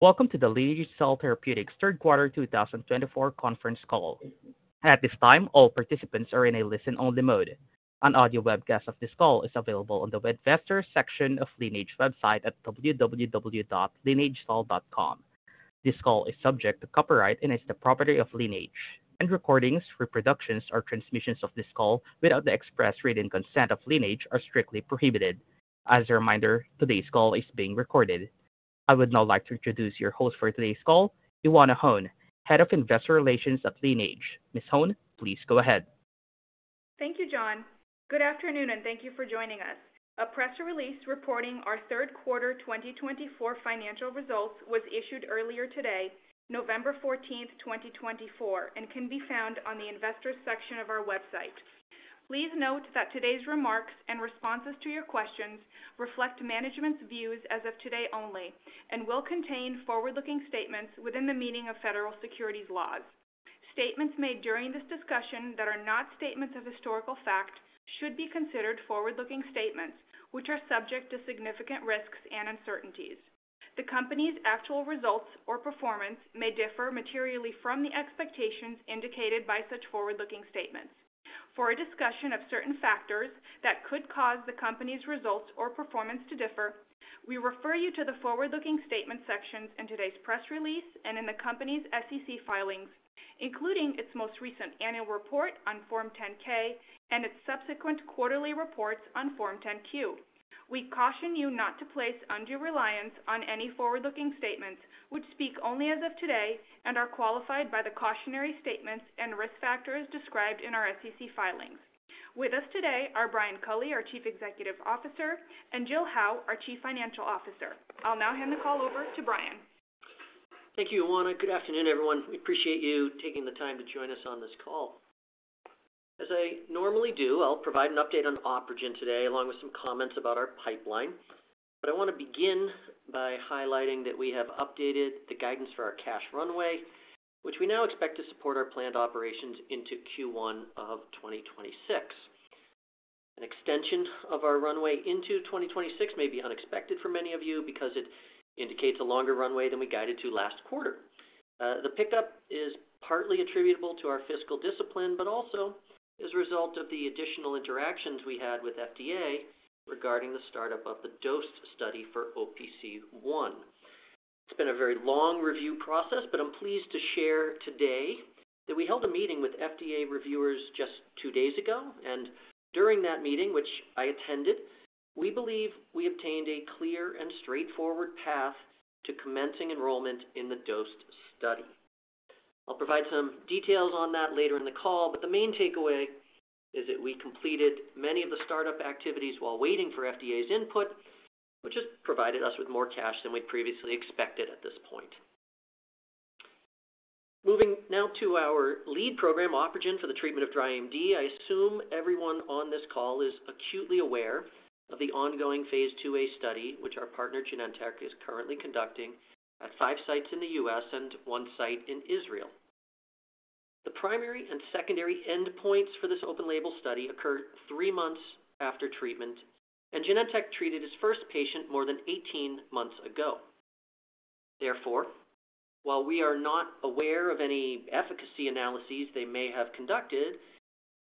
Welcome to the Lineage Cell Therapeutics Third Quarter 2024 Conference Call. At this time, all participants are in a listen-only mode. An audio webcast of this call is available on the webcasts section of Lineage's website at www.lineagecell.com. This call is subject to copyright and is the property of Lineage. Recordings, reproductions, or transmissions of this call without the express written consent of Lineage are strictly prohibited. As a reminder, today's call is being recorded. I would now like to introduce your host for today's call, Ioana Hone, Head of Investor Relations at Lineage. Ms. Hone, please go ahead. Thank you, John. Good afternoon, and thank you for joining us. A press release reporting our Third Quarter 2024 financial results was issued earlier today, November 14, 2024, and can be found on the Investors section of our website. Please note that today's remarks and responses to your questions reflect management's views as of today only and will contain forward-looking statements within the meaning of federal securities laws. Statements made during this discussion that are not statements of historical fact should be considered forward-looking statements, which are subject to significant risks and uncertainties. The company's actual results or performance may differ materially from the expectations indicated by such forward-looking statements. For a discussion of certain factors that could cause the company's results or performance to differ, we refer you to the forward-looking statement sections in today's press release and in the company's SEC filings, including its most recent annual report on Form 10-K and its subsequent quarterly reports on Form 10-Q. We caution you not to place undue reliance on any forward-looking statements, which speak only as of today and are qualified by the cautionary statements and risk factors described in our SEC filings. With us today are Brian Culley, our Chief Executive Officer, and Jill Howe, our Chief Financial Officer. I'll now hand the call over to Brian. Thank you, Ioana. Good afternoon, everyone. We appreciate you taking the time to join us on this call. As I normally do, I'll provide an update on OpRegen today along with some comments about our pipeline. But I want to begin by highlighting that we have updated the guidance for our cash runway, which we now expect to support our planned operations into Q1 of 2026. An extension of our runway into 2026 may be unexpected for many of you because it indicates a longer runway than we guided to last quarter. The pickup is partly attributable to our fiscal discipline, but also as a result of the additional interactions we had with FDA regarding the startup of the DOST study for OPC1. It's been a very long review process, but I'm pleased to share today that we held a meeting with FDA reviewers just two days ago. During that meeting, which I attended, we believe we obtained a clear and straightforward path to commencing enrollment in the DOST study. I'll provide some details on that later in the call, but the main takeaway is that we completed many of the startup activities while waiting for FDA's input, which has provided us with more cash than we previously expected at this point. Moving now to our lead program, OpRegen, for the treatment of dry AMD, I assume everyone on this call is acutely aware of the ongoing phase IIa study, which our partner Genentech is currently conducting at five sites in the U.S. and one site in Israel. The primary and secondary endpoints for this open-label study occurred three months after treatment, and Genentech treated its first patient more than 18 months ago. Therefore, while we are not aware of any efficacy analyses they may have conducted,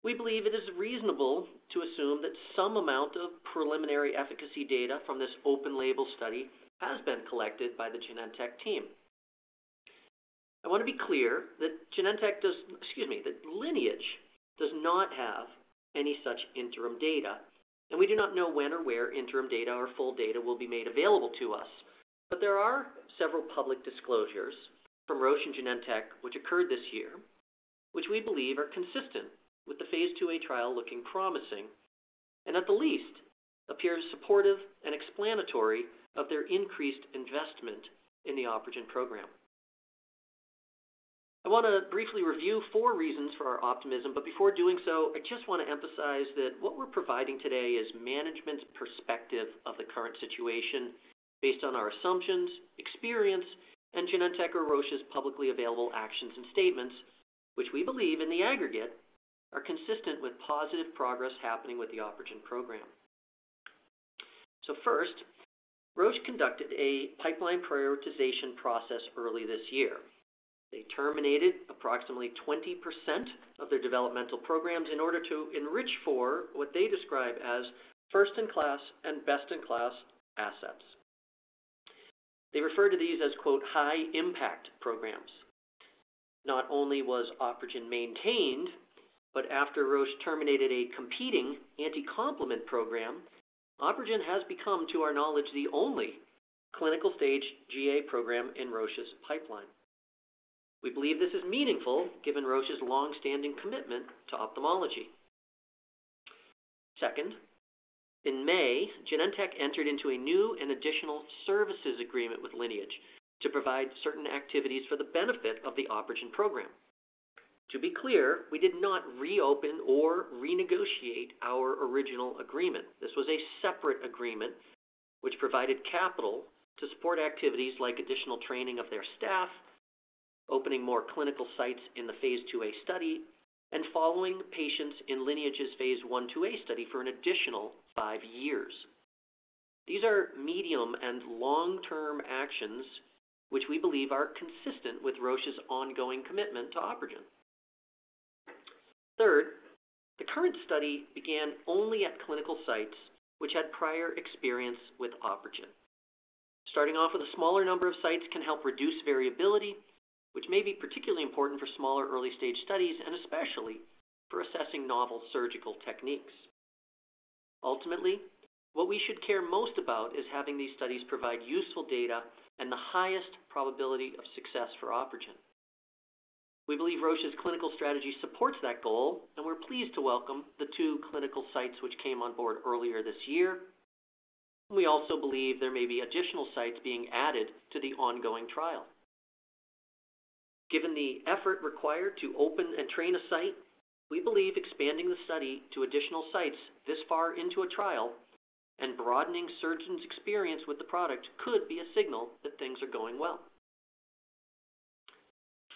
we believe it is reasonable to assume that some amount of preliminary efficacy data from this open-label study has been collected by the Genentech team. I want to be clear that Lineage does not have any such interim data, and we do not know when or where interim data or full data will be made available to us. But there are several public disclosures from Roche and Genentech which occurred this year, which we believe are consistent with the phase IIa trial looking promising and at the least appear supportive and explanatory of their increased investment in the OpRegen program. I want to briefly review four reasons for our optimism, but before doing so, I just want to emphasize that what we're providing today is management's perspective of the current situation based on our assumptions, experience, and Genentech or Roche's publicly available actions and statements, which we believe in the aggregate are consistent with positive progress happening with the OpRegen program, so first, Roche conducted a pipeline prioritization process early this year. They terminated approximately 20% of their developmental programs in order to enrich for what they describe as first-in-class and best-in-class assets. They refer to these as "high-impact programs." Not only was OpRegen maintained, but after Roche terminated a competing anti-complement program, OpRegen has become, to our knowledge, the only clinical-stage GA program in Roche's pipeline. We believe this is meaningful given Roche's longstanding commitment to ophthalmology. Second, in May, Genentech entered into a new and additional services agreement with Lineage to provide certain activities for the benefit of the OpRegen program. To be clear, we did not reopen or renegotiate our original agreement. This was a separate agreement which provided capital to support activities like additional training of their staff, opening more clinical sites in the phase IIa study, and following patients in Lineage's phase 1/2a study for an additional five years. These are medium and long-term actions which we believe are consistent with Roche's ongoing commitment to OpRegen. Third, the current study began only at clinical sites which had prior experience with OpRegen. Starting off with a smaller number of sites can help reduce variability, which may be particularly important for smaller early-stage studies and especially for assessing novel surgical techniques. Ultimately, what we should care most about is having these studies provide useful data and the highest probability of success for OpRegen. We believe Roche's clinical strategy supports that goal, and we're pleased to welcome the two clinical sites which came on board earlier this year. We also believe there may be additional sites being added to the ongoing trial. Given the effort required to open and train a site, we believe expanding the study to additional sites this far into a trial and broadening surgeons' experience with the product could be a signal that things are going well.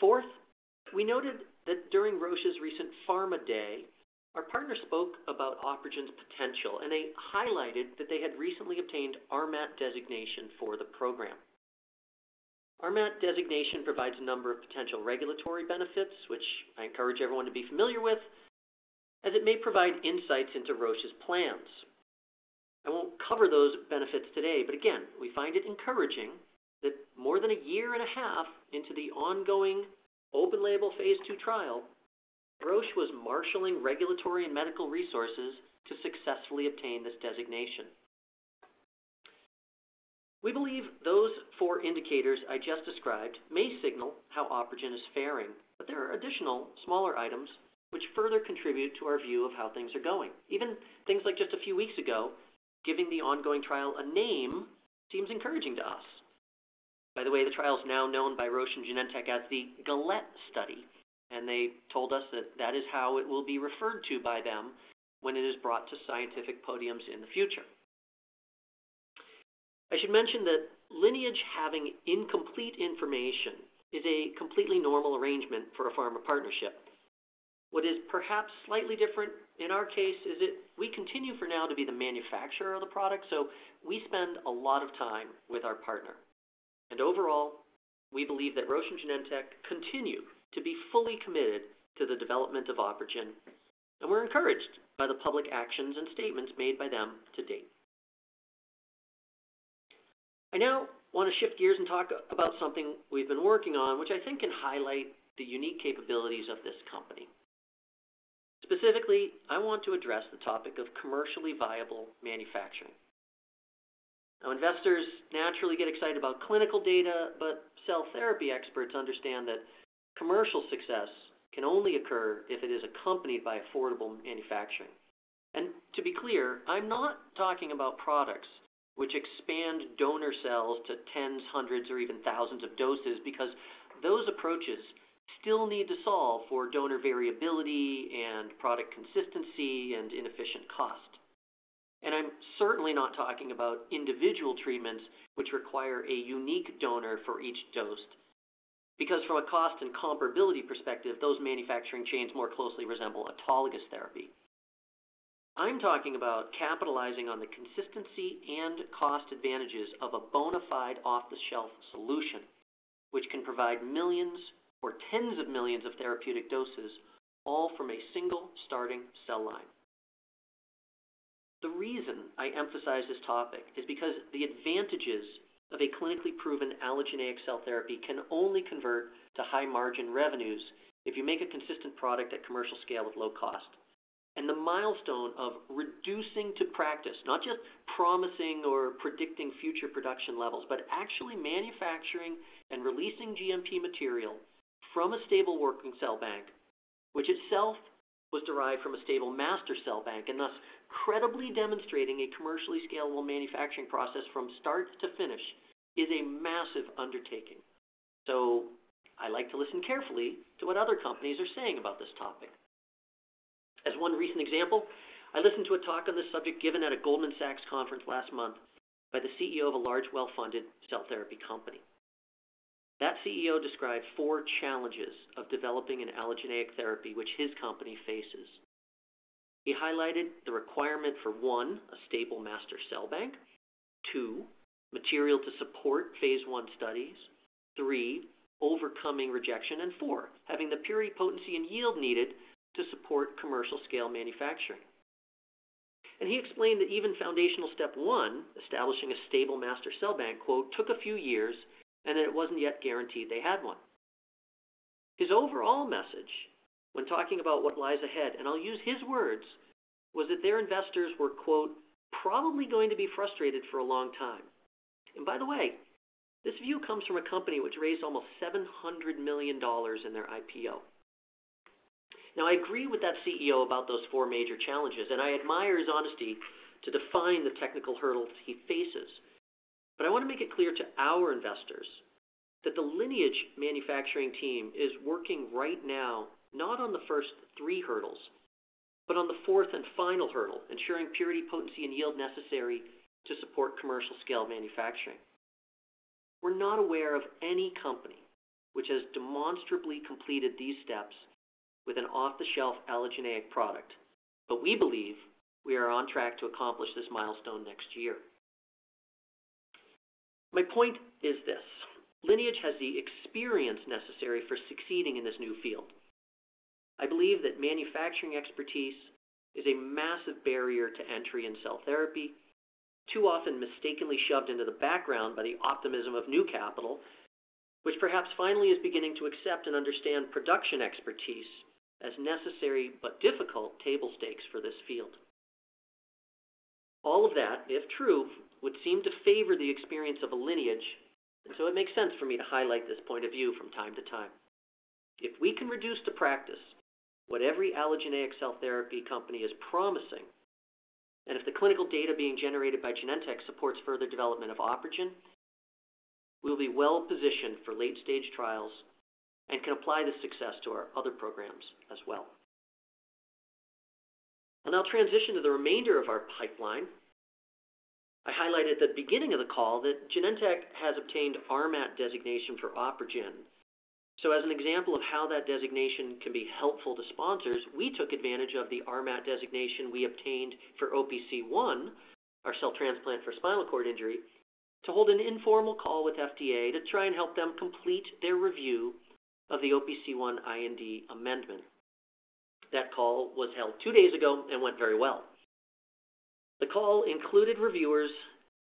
Fourth, we noted that during Roche's recent Pharma Day, our partner spoke about OpRegen's potential, and they highlighted that they had recently obtained RMAT designation for the program. RMAT designation provides a number of potential regulatory benefits, which I encourage everyone to be familiar with, as it may provide insights into Roche's plans. I won't cover those benefits today, but again, we find it encouraging that more than a year and a half into the ongoing open-label phase II trial, Roche was marshaling regulatory and medical resources to successfully obtain this designation. We believe those four indicators I just described may signal how OpRegen is faring, but there are additional smaller items which further contribute to our view of how things are going. Even things like just a few weeks ago, giving the ongoing trial a name seems encouraging to us. By the way, the trial is now known by Roche and Genentech as the GALET study, and they told us that that is how it will be referred to by them when it is brought to scientific podiums in the future. I should mention that Lineage having incomplete information is a completely normal arrangement for a pharma partnership. What is perhaps slightly different in our case is that we continue for now to be the manufacturer of the product, so we spend a lot of time with our partner. And overall, we believe that Roche and Genentech continue to be fully committed to the development of OpRegen, and we're encouraged by the public actions and statements made by them to date. I now want to shift gears and talk about something we've been working on, which I think can highlight the unique capabilities of this company. Specifically, I want to address the topic of commercially viable manufacturing. Now, investors naturally get excited about clinical data, but cell therapy experts understand that commercial success can only occur if it is accompanied by affordable manufacturing. And to be clear, I'm not talking about products which expand donor cells to tens, hundreds, or even thousands of doses because those approaches still need to solve for donor variability and product consistency and inefficient cost. And I'm certainly not talking about individual treatments which require a unique donor for each dose because from a cost and comparability perspective, those manufacturing chains more closely resemble autologous therapy. I'm talking about capitalizing on the consistency and cost advantages of a bona fide off-the-shelf solution which can provide millions or tens of millions of therapeutic doses all from a single starting cell line. The reason I emphasize this topic is because the advantages of a clinically proven allogeneic cell therapy can only convert to high-margin revenues if you make a consistent product at commercial scale with low cost. And the milestone of reducing to practice, not just promising or predicting future production levels, but actually manufacturing and releasing GMP material from a stable working cell bank, which itself was derived from a stable master cell bank and thus credibly demonstrating a commercially scalable manufacturing process from start to finish, is a massive undertaking. So I like to listen carefully to what other companies are saying about this topic. As one recent example, I listened to a talk on this subject given at a Goldman Sachs conference last month by the CEO of a large well-funded cell therapy company. That CEO described four challenges of developing an allogeneic therapy which his company faces. He highlighted the requirement for, one, a stable master cell bank, two, material to support phase I studies, three, overcoming rejection, and four, having the purity, potency, and yield needed to support commercial-scale manufacturing. And he explained that even foundational step one, establishing a stable master cell bank, "took a few years and that it wasn't yet guaranteed they had one." His overall message when talking about what lies ahead, and I'll use his words, was that their investors were "probably going to be frustrated for a long time." And by the way, this view comes from a company which raised almost $700 million in their IPO. Now, I agree with that CEO about those four major challenges, and I admire his honesty to define the technical hurdles he faces. But I want to make it clear to our investors that the Lineage manufacturing team is working right now not on the first three hurdles, but on the fourth and final hurdle, ensuring purity, potency, and yield necessary to support commercial-scale manufacturing. We're not aware of any company which has demonstrably completed these steps with an off-the-shelf allogeneic product, but we believe we are on track to accomplish this milestone next year. My point is this: Lineage has the experience necessary for succeeding in this new field. I believe that manufacturing expertise is a massive barrier to entry in cell therapy, too often mistakenly shoved into the background by the optimism of new capital, which perhaps finally is beginning to accept and understand production expertise as necessary but difficult table stakes for this field. All of that, if true, would seem to favor the experience of a Lineage, and so it makes sense for me to highlight this point of view from time to time. If we can reduce to practice what every allogeneic cell therapy company is promising, and if the clinical data being generated by Genentech supports further development of OpRegen, we'll be well-positioned for late-stage trials and can apply this success to our other programs as well, and I'll transition to the remainder of our pipeline. I highlighted at the beginning of the call that Genentech has obtained RMAT designation for OpRegen. So as an example of how that designation can be helpful to sponsors, we took advantage of the RMAT designation we obtained for OPC1, our cell transplant for spinal cord injury, to hold an informal call with FDA to try and help them complete their review of the OPC1 IND amendment. That call was held two days ago and went very well. The call included reviewers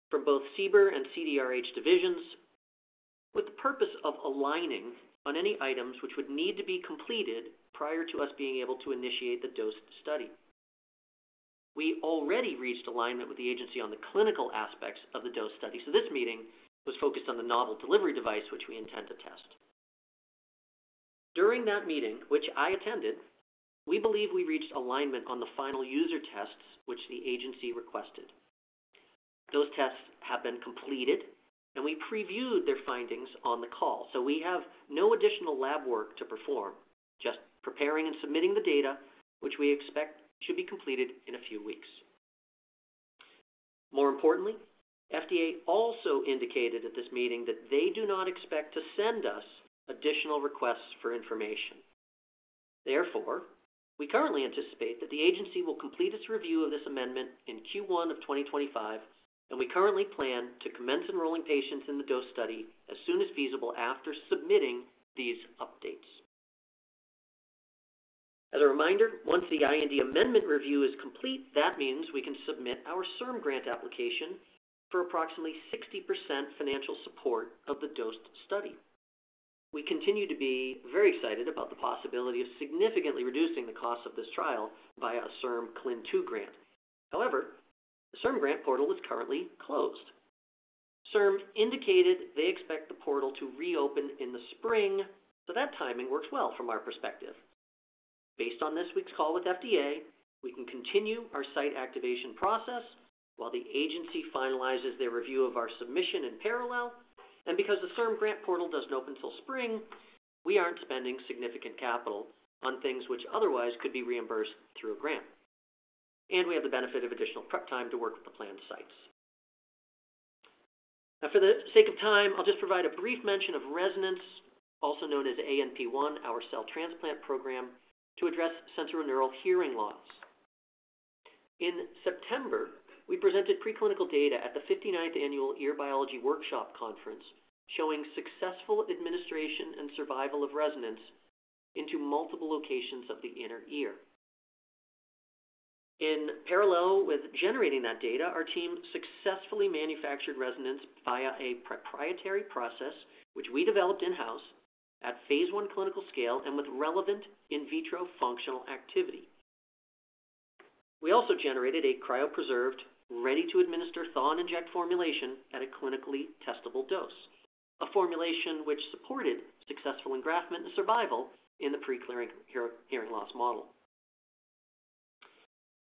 from both CBER and CDRH divisions with the purpose of aligning on any items which would need to be completed prior to us being able to initiate the DOST study. We already reached alignment with the agency on the clinical aspects of the DOST study, so this meeting was focused on the novel delivery device which we intend to test. During that meeting, which I attended, we believe we reached alignment on the final user tests which the agency requested. Those tests have been completed, and we previewed their findings on the call, so we have no additional lab work to perform, just preparing and submitting the data which we expect should be completed in a few weeks. More importantly, FDA also indicated at this meeting that they do not expect to send us additional requests for information. Therefore, we currently anticipate that the agency will complete its review of this amendment in Q1 of 2025, and we currently plan to commence enrolling patients in the dose study as soon as feasible after submitting these updates. As a reminder, once the IND amendment review is complete, that means we can submit our CIRM grant application for approximately 60% financial support of the dose study. We continue to be very excited about the possibility of significantly reducing the cost of this trial via a CIRM CLIN2 grant. However, the CIRM grant portal is currently closed. CIRM indicated they expect the portal to reopen in the spring, so that timing works well from our perspective. Based on this week's call with FDA, we can continue our site activation process while the agency finalizes their review of our submission in parallel, and because the CIRM grant portal doesn't open until spring, we aren't spending significant capital on things which otherwise could be reimbursed through a grant, and we have the benefit of additional prep time to work with the planned sites. Now, for the sake of time, I'll just provide a brief mention of ReSonance, also known as ANP1, our cell transplant program, to address sensorineural hearing loss. In September, we presented preclinical data at the 59th Annual Ear Biology Workshop Conference showing successful administration and survival of ReSonance into multiple locations of the inner ear. In parallel with generating that data, our team successfully manufactured ReSonance via a proprietary process which we developed in-house at phase I clinical scale and with relevant in vitro functional activity. We also generated a cryopreserved, ready-to-administer thaw-and-inject formulation at a clinically testable dose, a formulation which supported successful engraftment and survival in the preclinical hearing loss model.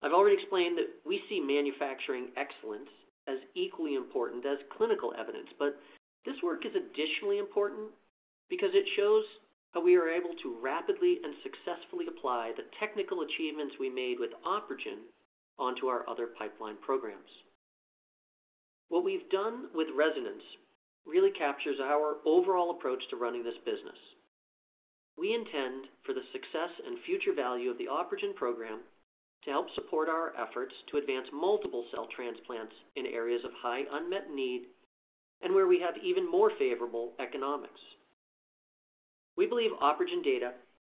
I've already explained that we see manufacturing excellence as equally important as clinical evidence, but this work is additionally important because it shows how we are able to rapidly and successfully apply the technical achievements we made with OpRegen onto our other pipeline programs. What we've done with ReSonance really captures our overall approach to running this business. We intend, for the success and future value of the OpRegen program, to help support our efforts to advance multiple cell transplants in areas of high unmet need and where we have even more favorable economics. We believe OpRegen data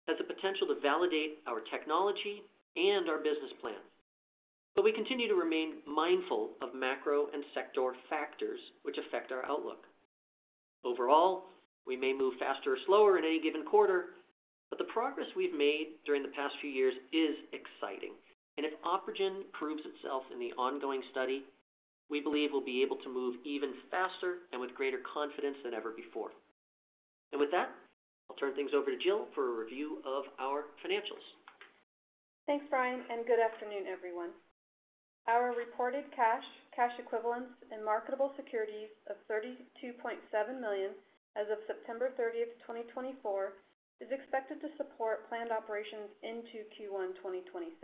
has the potential to validate our technology and our business plan, but we continue to remain mindful of macro and sector factors which affect our outlook. Overall, we may move faster or slower in any given quarter, but the progress we've made during the past few years is exciting, and if OpRegen proves itself in the ongoing study, we believe we'll be able to move even faster and with greater confidence than ever before, and with that, I'll turn things over to Jill for a review of our financials. Thanks, Brian, and good afternoon, everyone. Our reported cash, cash equivalents, and marketable securities of $32.7 million as of September 30th, 2024, is expected to support planned operations into Q1 2026.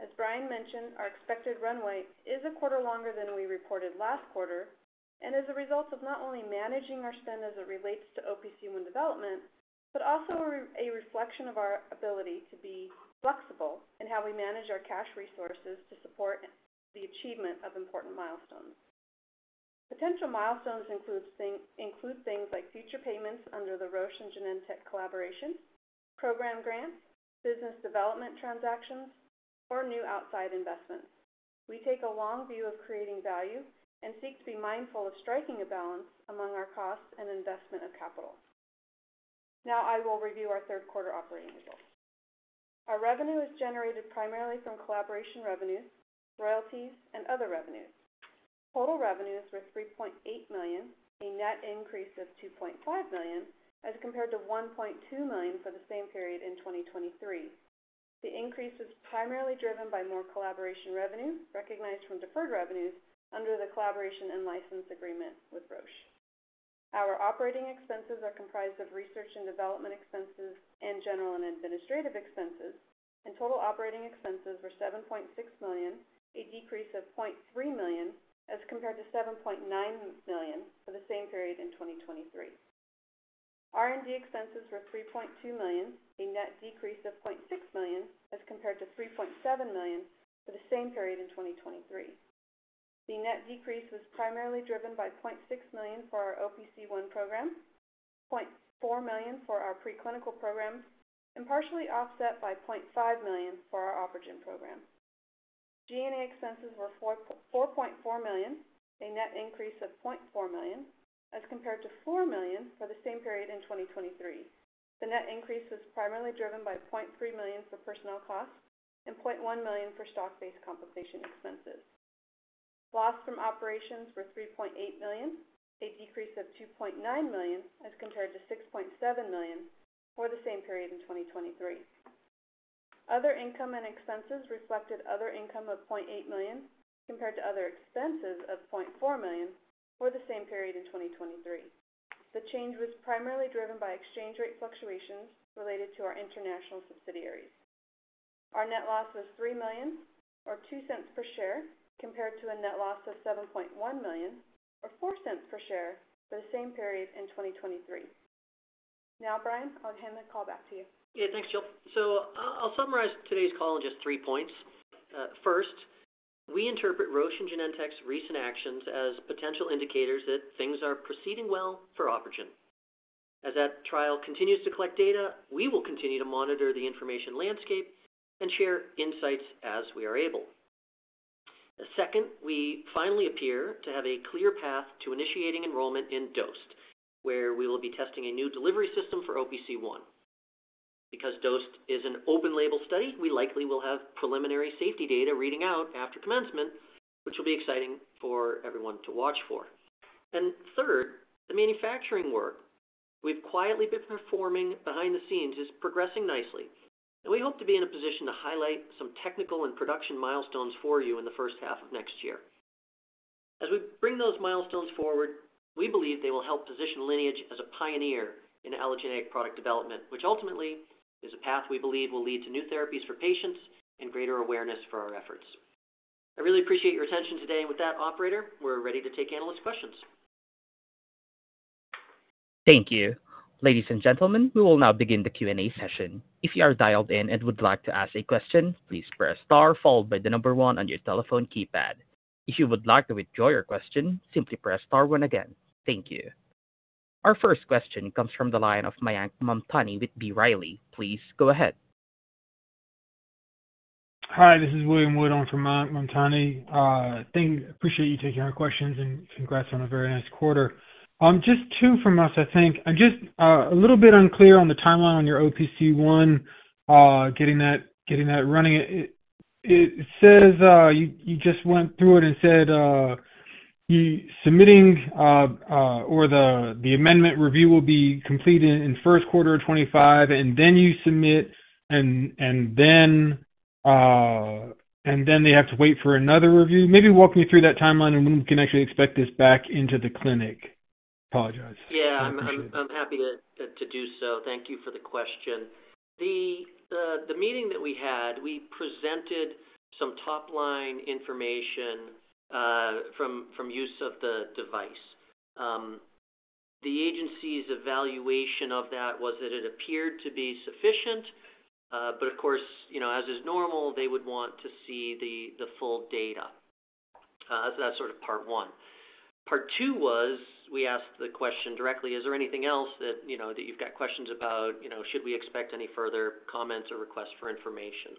As Brian mentioned, our expected runway is a quarter longer than we reported last quarter and is a result of not only managing our spend as it relates to OPC1 development, but also a reflection of our ability to be flexible in how we manage our cash resources to support the achievement of important milestones. Potential milestones include things like future payments under the Roche and Genentech collaboration, program grants, business development transactions, or new outside investments. We take a long view of creating value and seek to be mindful of striking a balance among our costs and investment of capital. Now, I will review our third quarter operating results. Our revenue is generated primarily from collaboration revenues, royalties, and other revenues. Total revenues were $3.8 million, a net increase of $2.5 million as compared to $1.2 million for the same period in 2023. The increase was primarily driven by more collaboration revenue recognized from deferred revenues under the collaboration and license agreement with Roche. Our operating expenses are comprised of research and development expenses and general and administrative expenses, and total operating expenses were $7.6 million, a decrease of $0.3 million as compared to $7.9 million for the same period in 2023. R&D expenses were $3.2 million, a net decrease of $0.6 million as compared to $3.7 million for the same period in 2023. The net decrease was primarily driven by $0.6 million for our OPC1 program, $0.4 million for our preclinical program, and partially offset by $0.5 million for our OpRegen program. G&A expenses were $4.4 million, a net increase of $0.4 million as compared to $4 million for the same period in 2023. The net increase was primarily driven by $0.3 million for personnel costs and $0.1 million for stock-based compensation expenses. Loss from operations were $3.8 million, a decrease of $2.9 million as compared to $6.7 million for the same period in 2023. Other income and expenses reflected other income of $0.8 million compared to other expenses of $0.4 million for the same period in 2023. The change was primarily driven by exchange rate fluctuations related to our international subsidiaries. Our net loss was $3 million or $0.02 per share compared to a net loss of $7.1 million or $0.04 per share for the same period in 2023. Now, Brian, I'll hand the call back to you. Yeah, thanks, Jill. So I'll summarize today's call in just three points. First, we interpret Roche and Genentech's recent actions as potential indicators that things are proceeding well for OpRegen. As that trial continues to collect data, we will continue to monitor the information landscape and share insights as we are able. Second, we finally appear to have a clear path to initiating enrollment in DOST, where we will be testing a new delivery system for OPC1. Because DOST is an open-label study, we likely will have preliminary safety data reading out after commencement, which will be exciting for everyone to watch for. And third, the manufacturing work we've quietly been performing behind the scenes is progressing nicely, and we hope to be in a position to highlight some technical and production milestones for you in the first half of next year. As we bring those milestones forward, we believe they will help position Lineage as a pioneer in allogeneic product development, which ultimately is a path we believe will lead to new therapies for patients and greater awareness for our efforts. I really appreciate your attention today. And with that, operator, we're ready to take analyst questions. Thank you. Ladies and gentlemen, we will now begin the Q&A session. If you are dialed in and would like to ask a question, please press star followed by the number one on your telephone keypad. If you would like to withdraw your question, simply press star one again. Thank you. Our first question comes from the line of Mayank Mamtani with B. Riley. Please go ahead. Hi, this is William Wood from Mayank Mamtani. I appreciate you taking our questions and congrats on a very nice quarter. Just two from us, I think. I'm just a little bit unclear on the timeline on your OPC1 getting that running. It says you just went through it and said submitting or the amendment review will be completed in first quarter of 2025, and then you submit, and then they have to wait for another review. Maybe walk me through that timeline and when we can actually expect this back into the clinic. Apologies. Yeah, I'm happy to do so. Thank you for the question. The meeting that we had, we presented some top-line information from use of the device. The agency's evaluation of that was that it appeared to be sufficient, but of course, as is normal, they would want to see the full data. That's sort of part one. Part two was we asked the question directly, "Is there anything else that you've got questions about? Should we expect any further comments or requests for information?"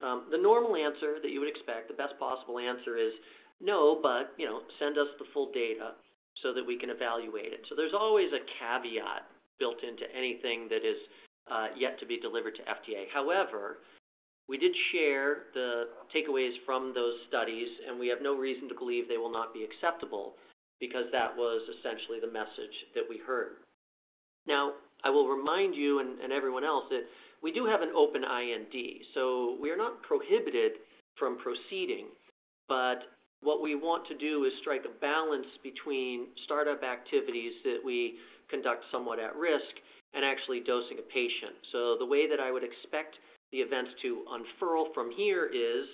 The normal answer that you would expect, the best possible answer is, "No, but send us the full data so that we can evaluate it." So there's always a caveat built into anything that is yet to be delivered to FDA. However, we did share the takeaways from those studies, and we have no reason to believe they will not be acceptable because that was essentially the message that we heard. Now, I will remind you and everyone else that we do have an open IND, so we are not prohibited from proceeding, but what we want to do is strike a balance between startup activities that we conduct somewhat at risk and actually dosing a patient. So the way that I would expect the events to unfurl from here is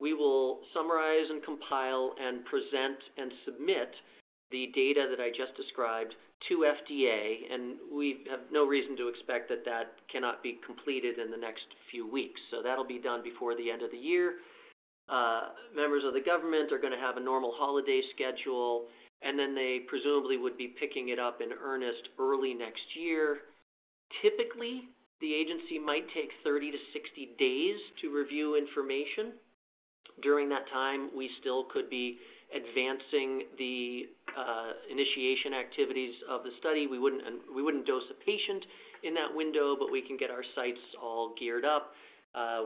we will summarize and compile and present and submit the data that I just described to FDA, and we have no reason to expect that that cannot be completed in the next few weeks. So that'll be done before the end of the year. Members of the government are going to have a normal holiday schedule, and then they presumably would be picking it up in earnest early next year. Typically, the agency might take 30-60 days to review information. During that time, we still could be advancing the initiation activities of the study. We wouldn't dose a patient in that window, but we can get our sites all geared up.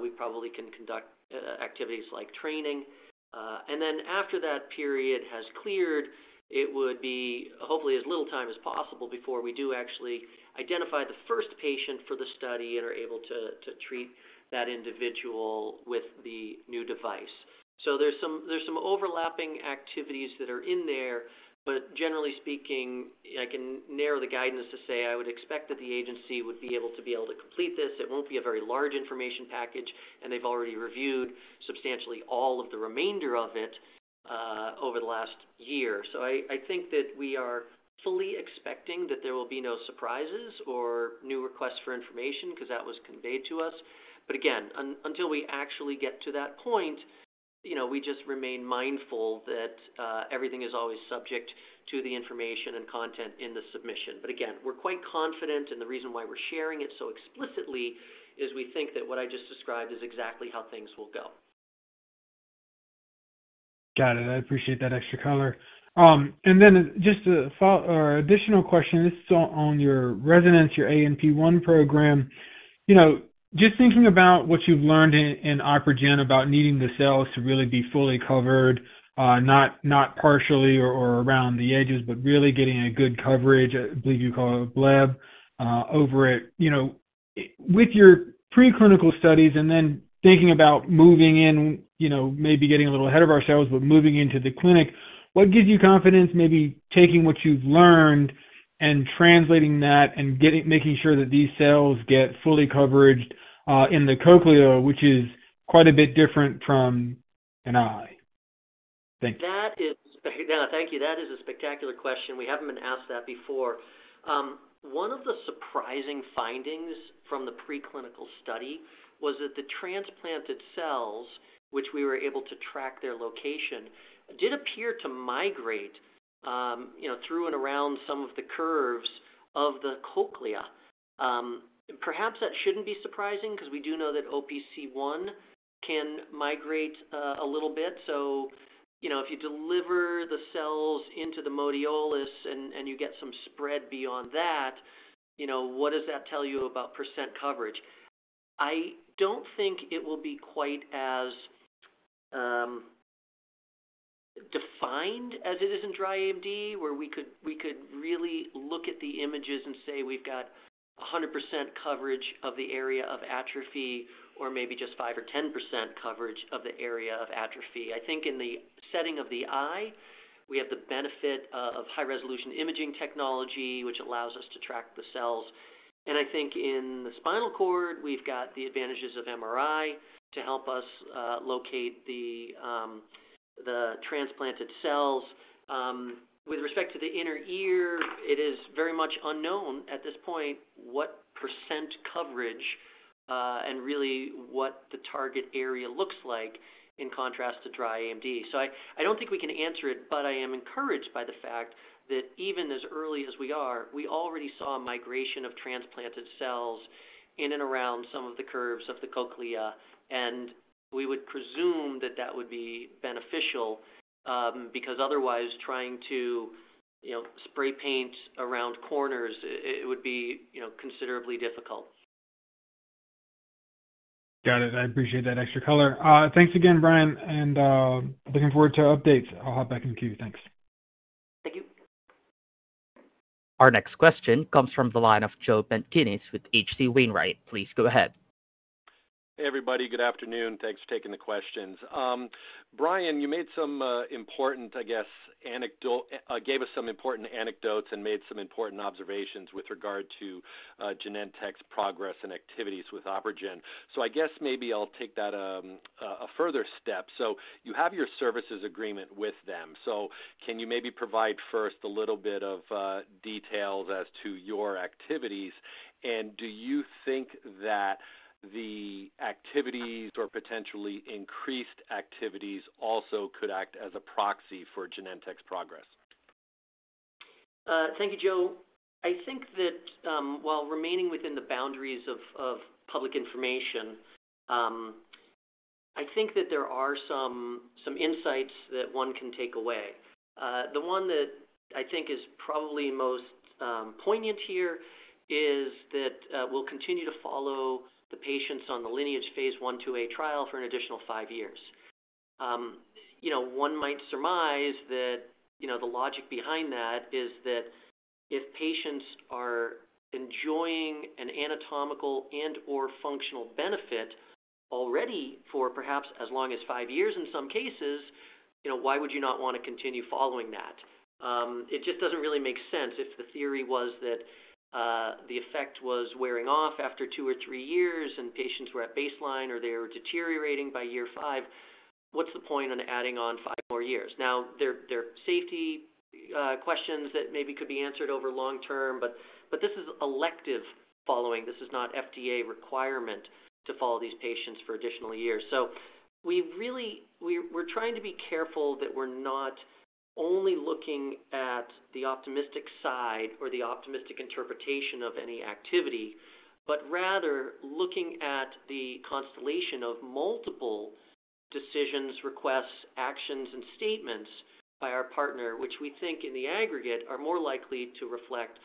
We probably can conduct activities like training. And then after that period has cleared, it would be hopefully as little time as possible before we do actually identify the first patient for the study and are able to treat that individual with the new device. So there's some overlapping activities that are in there, but generally speaking, I can narrow the guidance to say I would expect that the agency would be able to complete this. It won't be a very large information package, and they've already reviewed substantially all of the remainder of it over the last year. So I think that we are fully expecting that there will be no surprises or new requests for information because that was conveyed to us. But again, until we actually get to that point, we just remain mindful that everything is always subject to the information and content in the submission. But again, we're quite confident, and the reason why we're sharing it so explicitly is we think that what I just described is exactly how things will go. Got it. I appreciate that extra color. And then just an additional question. This is on your ReSonance, your ANP1 program. Just thinking about what you've learned in OpRegen about needing the cells to really be fully covered, not partially or around the edges, but really getting a good coverage, I believe you call it a bleb, over it. With your preclinical studies and then thinking about moving in, maybe getting a little ahead of ourselves, but moving into the clinic, what gives you confidence maybe taking what you've learned and translating that and making sure that these cells get fully covered in the cochlea, which is quite a bit different from an eye? Thank you. No, thank you. That is a spectacular question. We haven't been asked that before. One of the surprising findings from the preclinical study was that the transplanted cells, which we were able to track their location, did appear to migrate through and around some of the curves of the cochlea. Perhaps that shouldn't be surprising because we do know that OPC1 can migrate a little bit. So if you deliver the cells into the modiolus and you get some spread beyond that, what does that tell you about percent coverage? I don't think it will be quite as defined as it is in Dry AMD, where we could really look at the images and say we've got 100% coverage of the area of atrophy or maybe just 5% or 10% coverage of the area of atrophy. I think in the setting of the eye, we have the benefit of high-resolution imaging technology, which allows us to track the cells. And I think in the spinal cord, we've got the advantages of MRI to help us locate the transplanted cells. With respect to the inner ear, it is very much unknown at this point what % coverage and really what the target area looks like in contrast to dry AMD. So I don't think we can answer it, but I am encouraged by the fact that even as early as we are, we already saw migration of transplanted cells in and around some of the curves of the cochlea, and we would presume that that would be beneficial because otherwise, trying to spray paint around corners, it would be considerably difficult. Got it. I appreciate that extra color. Thanks again, Brian, and looking forward to updates. I'll hop back in with you. Thanks. Thank you. Our next question comes from the line of Joe Pantginis with H.C. Wainwright. Please go ahead. Hey, everybody. Good afternoon. Thanks for taking the questions. Brian, you made some, I guess, anecdotes and made some important observations with regard to Genentech's progress and activities with OpRegen. I guess maybe I'll take that a further step. You have your services agreement with them. Can you maybe provide first a little bit of details as to your activities? And do you think that the activities or potentially increased activities also could act as a proxy for Genentech's progress? Thank you, Joe. I think that while remaining within the boundaries of public information, I think that there are some insights that one can take away. The one that I think is probably most poignant here is that we'll continue to follow the patients on the Lineage phase 1/2a trial for an additional five years. One might surmise that the logic behind that is that if patients are enjoying an anatomical and/or functional benefit already for perhaps as long as five years in some cases, why would you not want to continue following that? It just doesn't really make sense if the theory was that the effect was wearing off after two or three years and patients were at baseline or they were deteriorating by year five. What's the point in adding on five more years? Now, there are safety questions that maybe could be answered over long-term, but this is elective following. This is not FDA requirement to follow these patients for additional years. So we're trying to be careful that we're not only looking at the optimistic side or the optimistic interpretation of any activity, but rather looking at the constellation of multiple decisions, requests, actions, and statements by our partner, which we think in the aggregate are more likely to reflect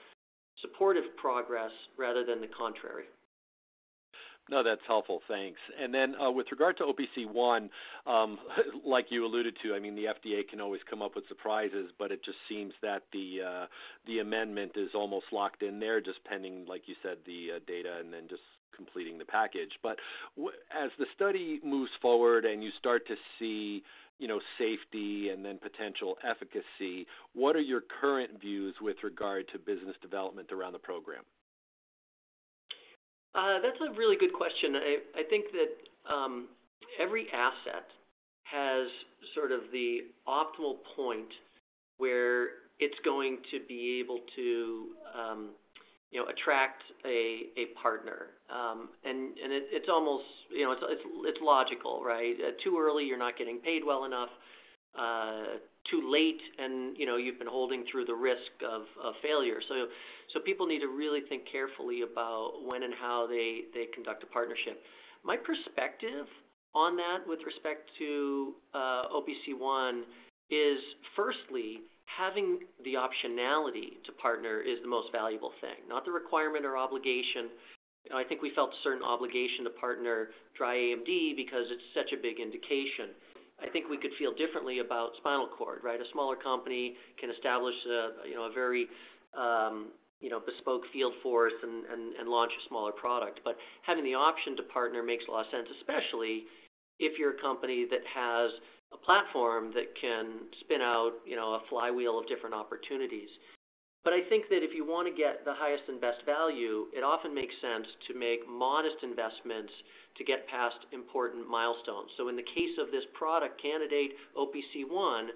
supportive progress rather than the contrary. No, that's helpful. Thanks. And then with regard to OPC1, like you alluded to, I mean, the FDA can always come up with surprises, but it just seems that the amendment is almost locked in there, just pending, like you said, the data and then just completing the package. But as the study moves forward and you start to see safety and then potential efficacy, what are your current views with regard to business development around the program? That's a really good question. I think that every asset has sort of the optimal point where it's going to be able to attract a partner. And it's logical, right? Too early, you're not getting paid well enough. Too late, and you've been holding through the risk of failure. So people need to really think carefully about when and how they conduct a partnership. My perspective on that with respect to OPC1 is, firstly, having the optionality to partner is the most valuable thing, not the requirement or obligation. I think we felt a certain obligation to partner Dry AMD because it's such a big indication. I think we could feel differently about spinal cord, right? A smaller company can establish a very bespoke field force and launch a smaller product. But having the option to partner makes a lot of sense, especially if you're a company that has a platform that can spin out a flywheel of different opportunities. But I think that if you want to get the highest and best value, it often makes sense to make modest investments to get past important milestones. So in the case of this product candidate, OPC1,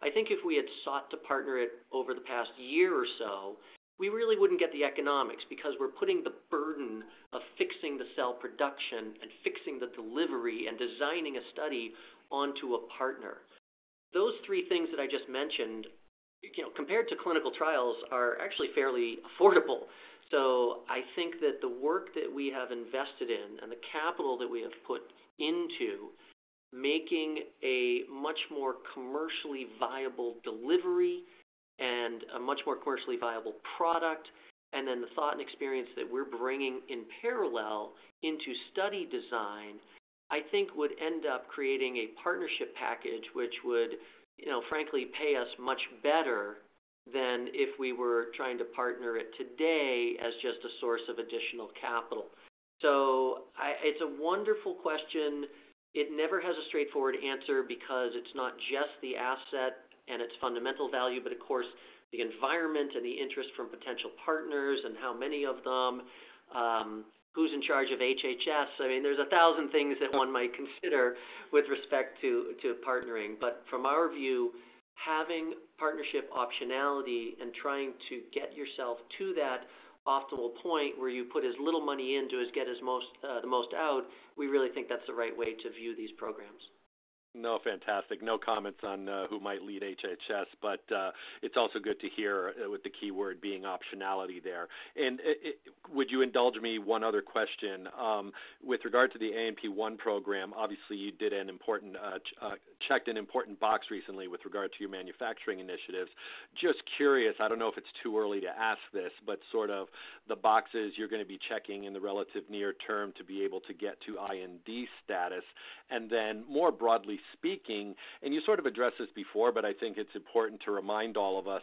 I think if we had sought to partner it over the past year or so, we really wouldn't get the economics because we're putting the burden of fixing the cell production and fixing the delivery and designing a study onto a partner. Those three things that I just mentioned, compared to clinical trials, are actually fairly affordable. So I think that the work that we have invested in and the capital that we have put into making a much more commercially viable delivery and a much more commercially viable product, and then the thought and experience that we're bringing in parallel into study design, I think would end up creating a partnership package which would, frankly, pay us much better than if we were trying to partner it today as just a source of additional capital. So it's a wonderful question. It never has a straightforward answer because it's not just the asset and its fundamental value, but of course, the environment and the interest from potential partners and how many of them, who's in charge of HHS. I mean, there's a thousand things that one might consider with respect to partnering. But from our view, having partnership optionality and trying to get yourself to that optimal point where you put as little money in to get the most out, we really think that's the right way to view these programs. No, fantastic. No comments on who might lead HHS, but it's also good to hear with the keyword being optionality there. And would you indulge me one other question? With regard to the ANP1 program, obviously, you checked an important box recently with regard to your manufacturing initiatives. Just curious, I don't know if it's too early to ask this, but sort of the boxes you're going to be checking in the relative near term to be able to get to IND status. And then more broadly speaking, and you sort of addressed this before, but I think it's important to remind all of us,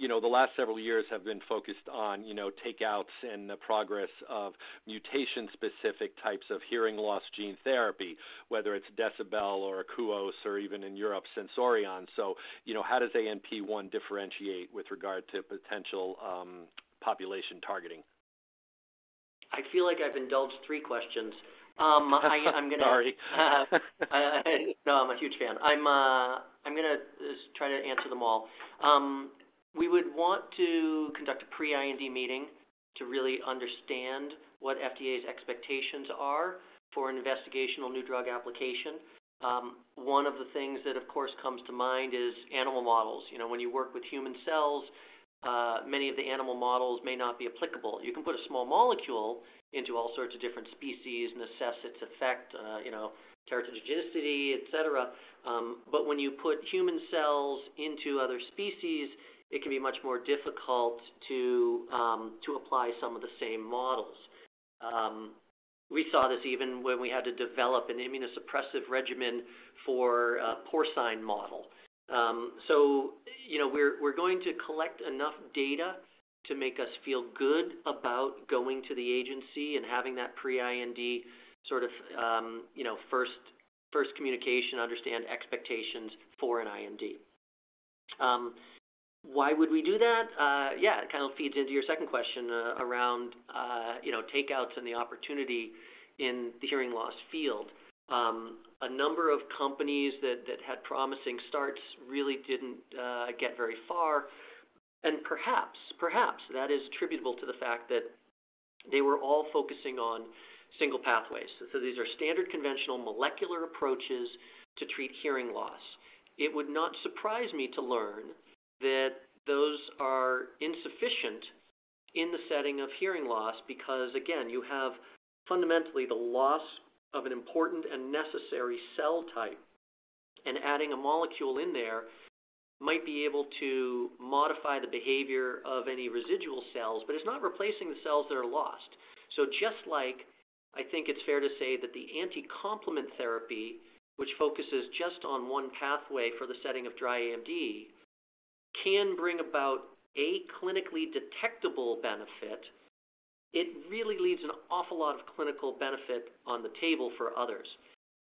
the last several years have been focused on takeouts and the progress of mutation-specific types of hearing loss gene therapy, whether it's Decibel or Akouos or even in Europe, Sensorion. So how does ANP1 differentiate with regard to potential population targeting? I feel like I've indulged three questions. I'm going to. Sorry. No, I'm a huge fan. I'm going to try to answer them all. We would want to conduct a pre-IND meeting to really understand what FDA's expectations are for investigational new drug application. One of the things that, of course, comes to mind is animal models. When you work with human cells, many of the animal models may not be applicable. You can put a small molecule into all sorts of different species and assess its effect, genotoxicity, etc. But when you put human cells into other species, it can be much more difficult to apply some of the same models. We saw this even when we had to develop an immunosuppressive regimen for a porcine model. So we're going to collect enough data to make us feel good about going to the agency and having that pre-IND sort of first communication, understand expectations for an IND. Why would we do that? Yeah, it kind of feeds into your second question around takeouts and the opportunity in the hearing loss field. A number of companies that had promising starts really didn't get very far. And perhaps, perhaps that is attributable to the fact that they were all focusing on single pathways. So these are standard conventional molecular approaches to treat hearing loss. It would not surprise me to learn that those are insufficient in the setting of hearing loss because, again, you have fundamentally the loss of an important and necessary cell type, and adding a molecule in there might be able to modify the behavior of any residual cells, but it's not replacing the cells that are lost. So just like I think it's fair to say that the anti-complement therapy, which focuses just on one pathway for the setting of dry AMD, can bring about a clinically detectable benefit. It really leaves an awful lot of clinical benefit on the table for others.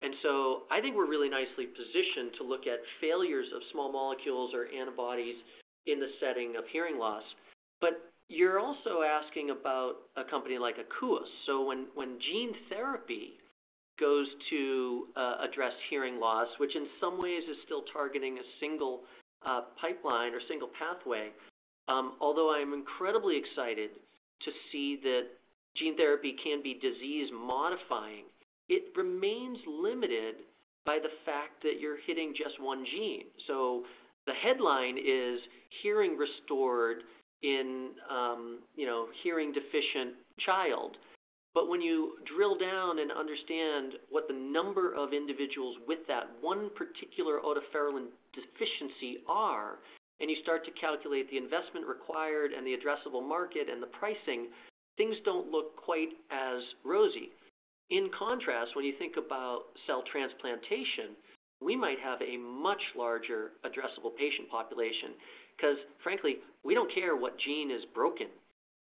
And so I think we're really nicely positioned to look at failures of small molecules or antibodies in the setting of hearing loss. But you're also asking about a company like Akouos. So when gene therapy goes to address hearing loss, which in some ways is still targeting a single pipeline or single pathway, although I'm incredibly excited to see that gene therapy can be disease-modifying, it remains limited by the fact that you're hitting just one gene. So the headline is hearing restored in hearing-deficient child. But when you drill down and understand what the number of individuals with that one particular otoferlin deficiency are, and you start to calculate the investment required and the addressable market and the pricing, things don't look quite as rosy. In contrast, when you think about cell transplantation, we might have a much larger addressable patient population because, frankly, we don't care what gene is broken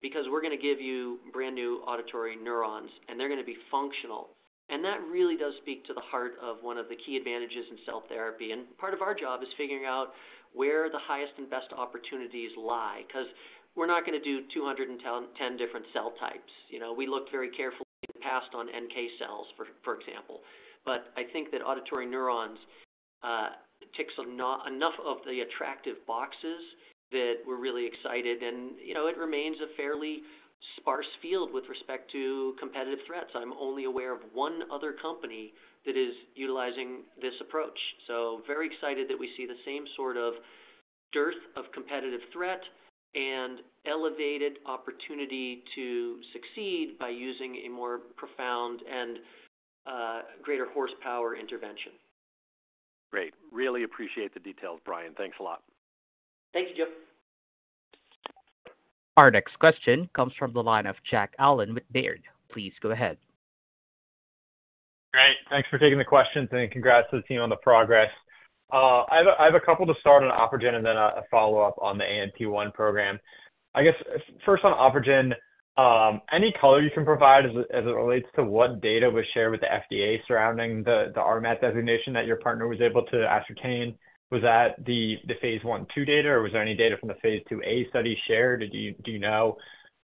because we're going to give you brand new auditory neurons, and they're going to be functional. And that really does speak to the heart of one of the key advantages in cell therapy. And part of our job is figuring out where the highest and best opportunities lie because we're not going to do 210 different cell types. We looked very carefully in the past on NK cells, for example. But I think that auditory neurons tick enough of the attractive boxes that we're really excited. And it remains a fairly sparse field with respect to competitive threats. I'm only aware of one other company that is utilizing this approach. So very excited that we see the same sort of dearth of competitive threat and elevated opportunity to succeed by using a more profound and greater horsepower intervention. Great. Really appreciate the details, Brian. Thanks a lot. Thank you, Joe. Our next question comes from the line of Jack Allen with Baird. Please go ahead. Great. Thanks for taking the questions, and congrats to the team on the progress. I have a couple to start on OpRegen and then a follow-up on the ANP1 program. I guess first on OpRegen, any color you can provide as it relates to what data was shared with the FDA surrounding the RMAT designation that your partner was able to ascertain? Was that the phase 1/2 data, or was there any data from the phase IIa study shared? Do you know?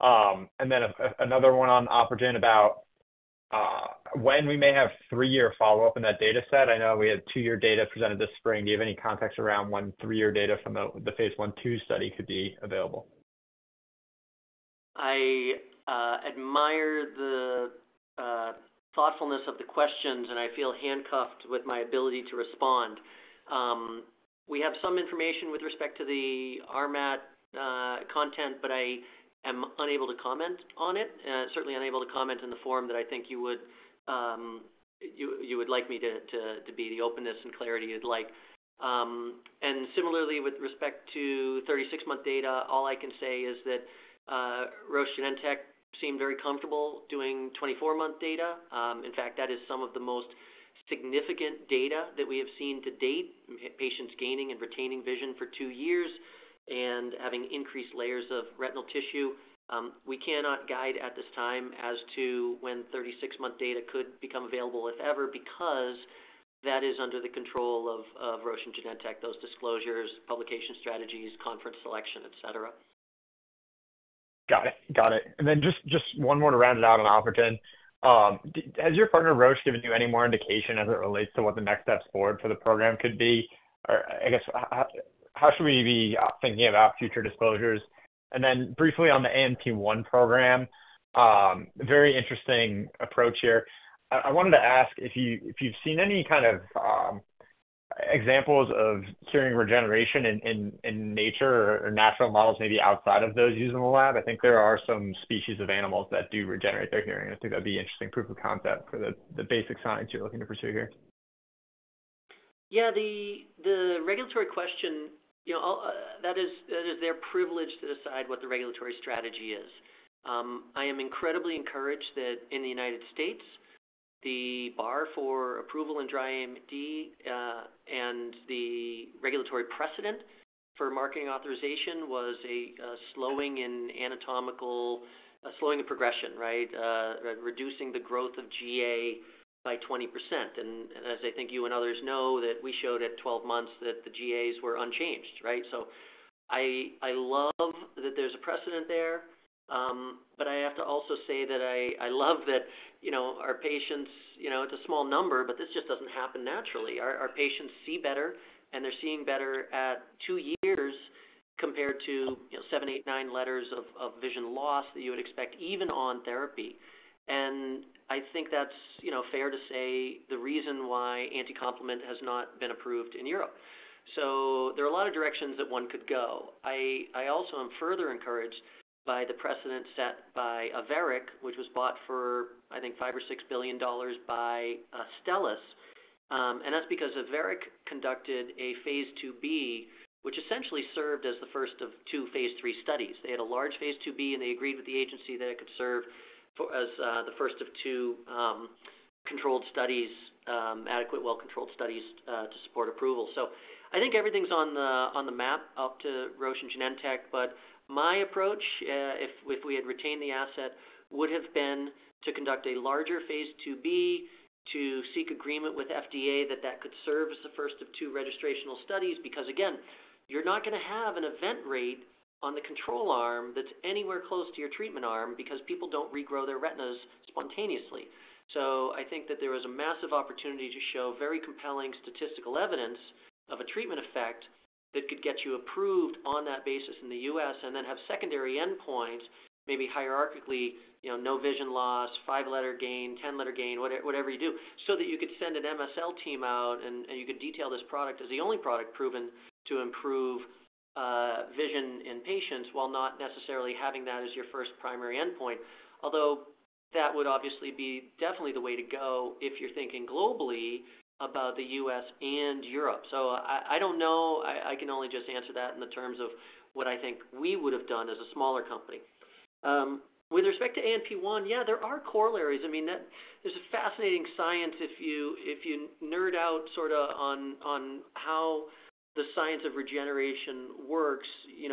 And then another one on OpRegen about when we may have three-year follow-up in that data set. I know we had two-year data presented this spring. Do you have any context around when three-year data from the phase 1/2 study could be available? I admire the thoughtfulness of the questions, and I feel handcuffed with my ability to respond. We have some information with respect to the RMAT content, but I am unable to comment on it, certainly unable to comment in the form that I think you would like me to be the openness and clarity you'd like. And similarly, with respect to 36-month data, all I can say is that Roche Genentech seemed very comfortable doing 24-month data. In fact, that is some of the most significant data that we have seen to date, patients gaining and retaining vision for two years and having increased layers of retinal tissue. We cannot guide at this time as to when 36-month data could become available, if ever, because that is under the control of Roche Genentech, those disclosures, publication strategies, conference selection, etc. Got it. Got it. And then just one more to round it out on OpRegen. Has your partner, Roche, given you any more indication as it relates to what the next steps forward for the program could be? I guess, how should we be thinking about future disclosures? And then briefly on the ANP1 program, very interesting approach here. I wanted to ask if you've seen any kind of examples of hearing regeneration in nature or natural models maybe outside of those used in the lab? I think there are some species of animals that do regenerate their hearing. I think that'd be interesting proof of concept for the basic science you're looking to pursue here. Yeah. The regulatory question, that is their privilege to decide what the regulatory strategy is. I am incredibly encouraged that in the United States, the bar for approval in Dry AMD and the regulatory precedent for marketing authorization was a slowing in anatomical slowing of progression, right, reducing the growth of GA by 20%, and as I think you and others know, that we showed at 12 months that the GAs were unchanged, right, so I love that there's a precedent there, But I have to also say that I love that our patients, it's a small number, but this just doesn't happen naturally. Our patients see better, and they're seeing better at two years compared to seven, eight, nine letters of vision loss that you would expect even on therapy, and I think that's fair to say the reason why anti-complement has not been approved in Europe. So there are a lot of directions that one could go. I also am further encouraged by the precedent set by Iveric, which was bought for, I think, $5 billion or $6 billion by Astellas. And that's because Iveric conducted a phase IIb, which essentially served as the first of two phase III studies. They had a large phase IIb, and they agreed with the agency that it could serve as the first of two controlled studies, adequate well-controlled studies to support approval. So I think everything's on the map up to Roche and Genentech, but my approach, if we had retained the asset, would have been to conduct a larger phase IIb to seek agreement with FDA that that could serve as the first of two registrational studies because, again, you're not going to have an event rate on the control arm that's anywhere close to your treatment arm because people don't regrow their retinas spontaneously. So I think that there was a massive opportunity to show very compelling statistical evidence of a treatment effect that could get you approved on that basis in the U.S. and then have secondary endpoints, maybe hierarchically, no vision loss, five-letter gain, ten-letter gain, whatever you do, so that you could send an MSL team out and you could detail this product As the only product proven to improve vision in patients while not necessarily having that as your first primary endpoint, although that would obviously be definitely the way to go if you're thinking globally about the U.S. and Europe. So I don't know. I can only just answer that in the terms of what I think we would have done as a smaller company. With respect to ANP1, yeah, there are corollaries. I mean, there's a fascinating science if you nerd out sort of on how the science of regeneration works.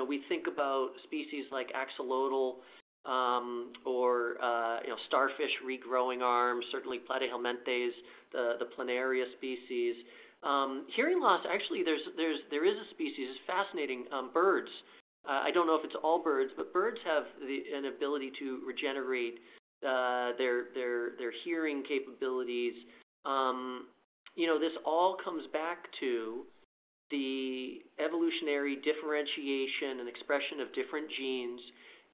We think about species like axolotl or starfish regrowing arms, certainly Platyhelminthes, the planaria species. Hearing loss, actually, there is a species. It's fascinating. Birds. I don't know if it's all birds, but birds have an ability to regenerate their hearing capabilities. This all comes back to the evolutionary differentiation and expression of different genes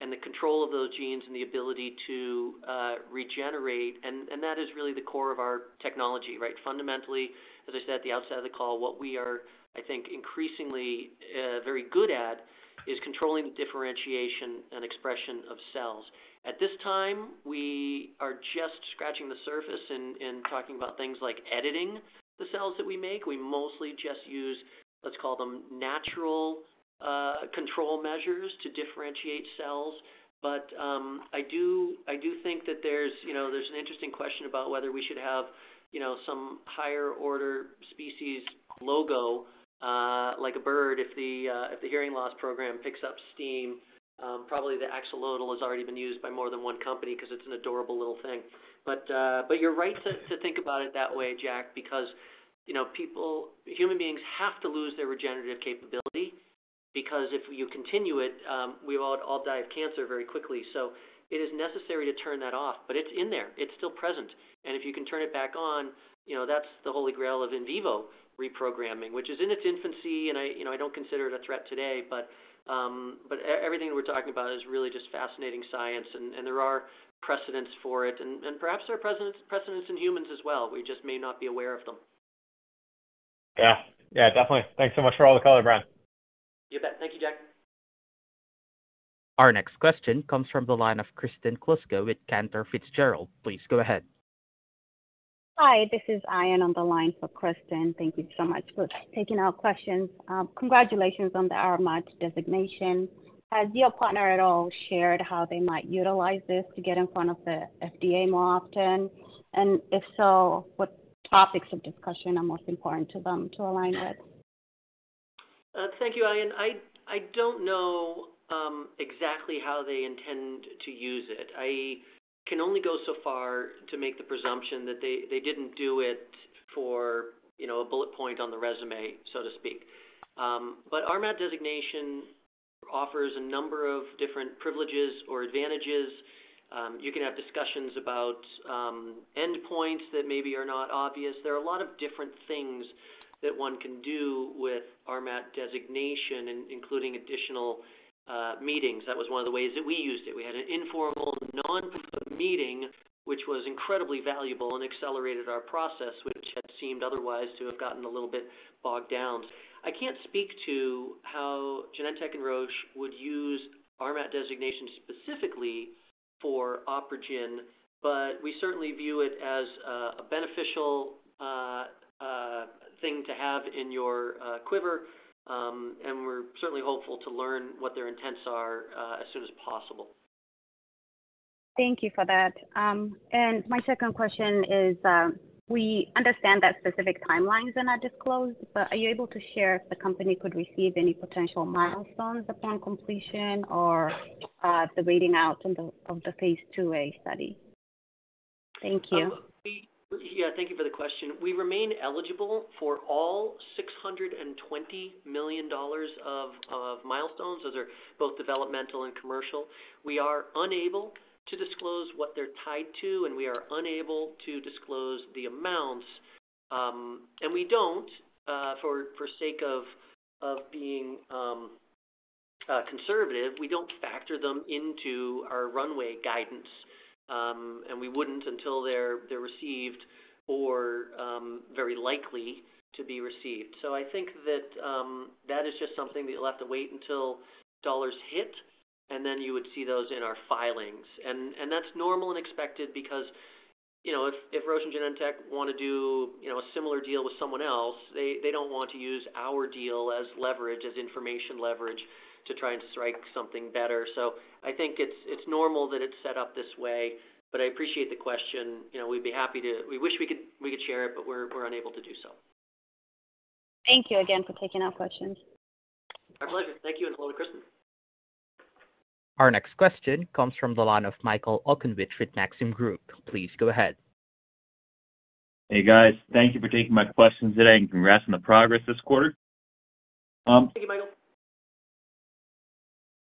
and the control of those genes and the ability to regenerate. And that is really the core of our technology, right? Fundamentally, as I said at the outset of the call, what we are, I think, increasingly very good at is controlling the differentiation and expression of cells. At this time, we are just scratching the surface and talking about things like editing the cells that we make. We mostly just use, let's call them, natural control measures to differentiate cells. But I do think that there's an interesting question about whether we should have some higher-order species logo like a bird if the hearing loss program picks up steam. Probably the axolotl has already been used by more than one company because it's an adorable little thing. But you're right to think about it that way, Jack, because human beings have to lose their regenerative capability because if you continue it, we all die of cancer very quickly. So it is necessary to turn that off, but it's in there. It's still present. And if you can turn it back on, that's the holy grail of in vivo reprogramming, which is in its infancy, and I don't consider it a threat today, but everything we're talking about is really just fascinating science, and there are precedents for it, and perhaps there are precedents in humans as well. We just may not be aware of them. Yeah. Yeah, definitely. Thanks so much for all the color, Brian. You bet. Thank you, Jack. Our next question comes from the line of Kristen Kluska with Cantor Fitzgerald. Please go ahead. Hi. This is Ayan on the line for Kristen. Thank you so much for taking our questions. Congratulations on the RMAT designation. Has your partner at all shared how they might utilize this to get in front of the FDA more often? And if so, what topics of discussion are most important to them to align with? Thank you, Ayan. I don't know exactly how they intend to use it. I can only go so far to make the presumption that they didn't do it for a bullet point on the resume, so to speak. But RMAT designation offers a number of different privileges or advantages. You can have discussions about endpoints that maybe are not obvious. There are a lot of different things that one can do with RMAT designation, including additional meetings. That was one of the ways that we used it. We had an informal non-meeting, which was incredibly valuable and accelerated our process, which had seemed otherwise to have gotten a little bit bogged down. I can't speak to how Genentech and Roche would use RMAT designation specifically for OpRegen, but we certainly view it as a beneficial thing to have in your quiver, and we're certainly hopeful to learn what their intents are as soon as possible. Thank you for that. And my second question is, we understand that specific timelines are not disclosed, but are you able to share if the company could receive any potential milestones upon completion or the waiting out of the phase IIa study? Thank you. Yeah. Thank you for the question. We remain eligible for all $620 million of milestones as they're both developmental and commercial. We are unable to disclose what they're tied to, and we are unable to disclose the amounts, and we don't, for sake of being conservative, we don't factor them into our runway guidance, and we wouldn't until they're received or very likely to be received. So I think that that is just something that you'll have to wait until dollars hit, and then you would see those in our filings, and that's normal and expected because if Roche and Genentech want to do a similar deal with someone else, they don't want to use our deal as leverage, as information leverage, to try and strike something better, so I think it's normal that it's set up this way, but I appreciate the question. We'd be happy to. We wish we could share it, but we're unable to do so. Thank you again for taking our questions. Our pleasure. Thank you, and hello to Kristen. Our next question comes from the line of Michael Okunewitch with Maxim Group. Please go ahead. Hey, guys. Thank you for taking my questions today and congrats on the progress this quarter. Thank you, Michael.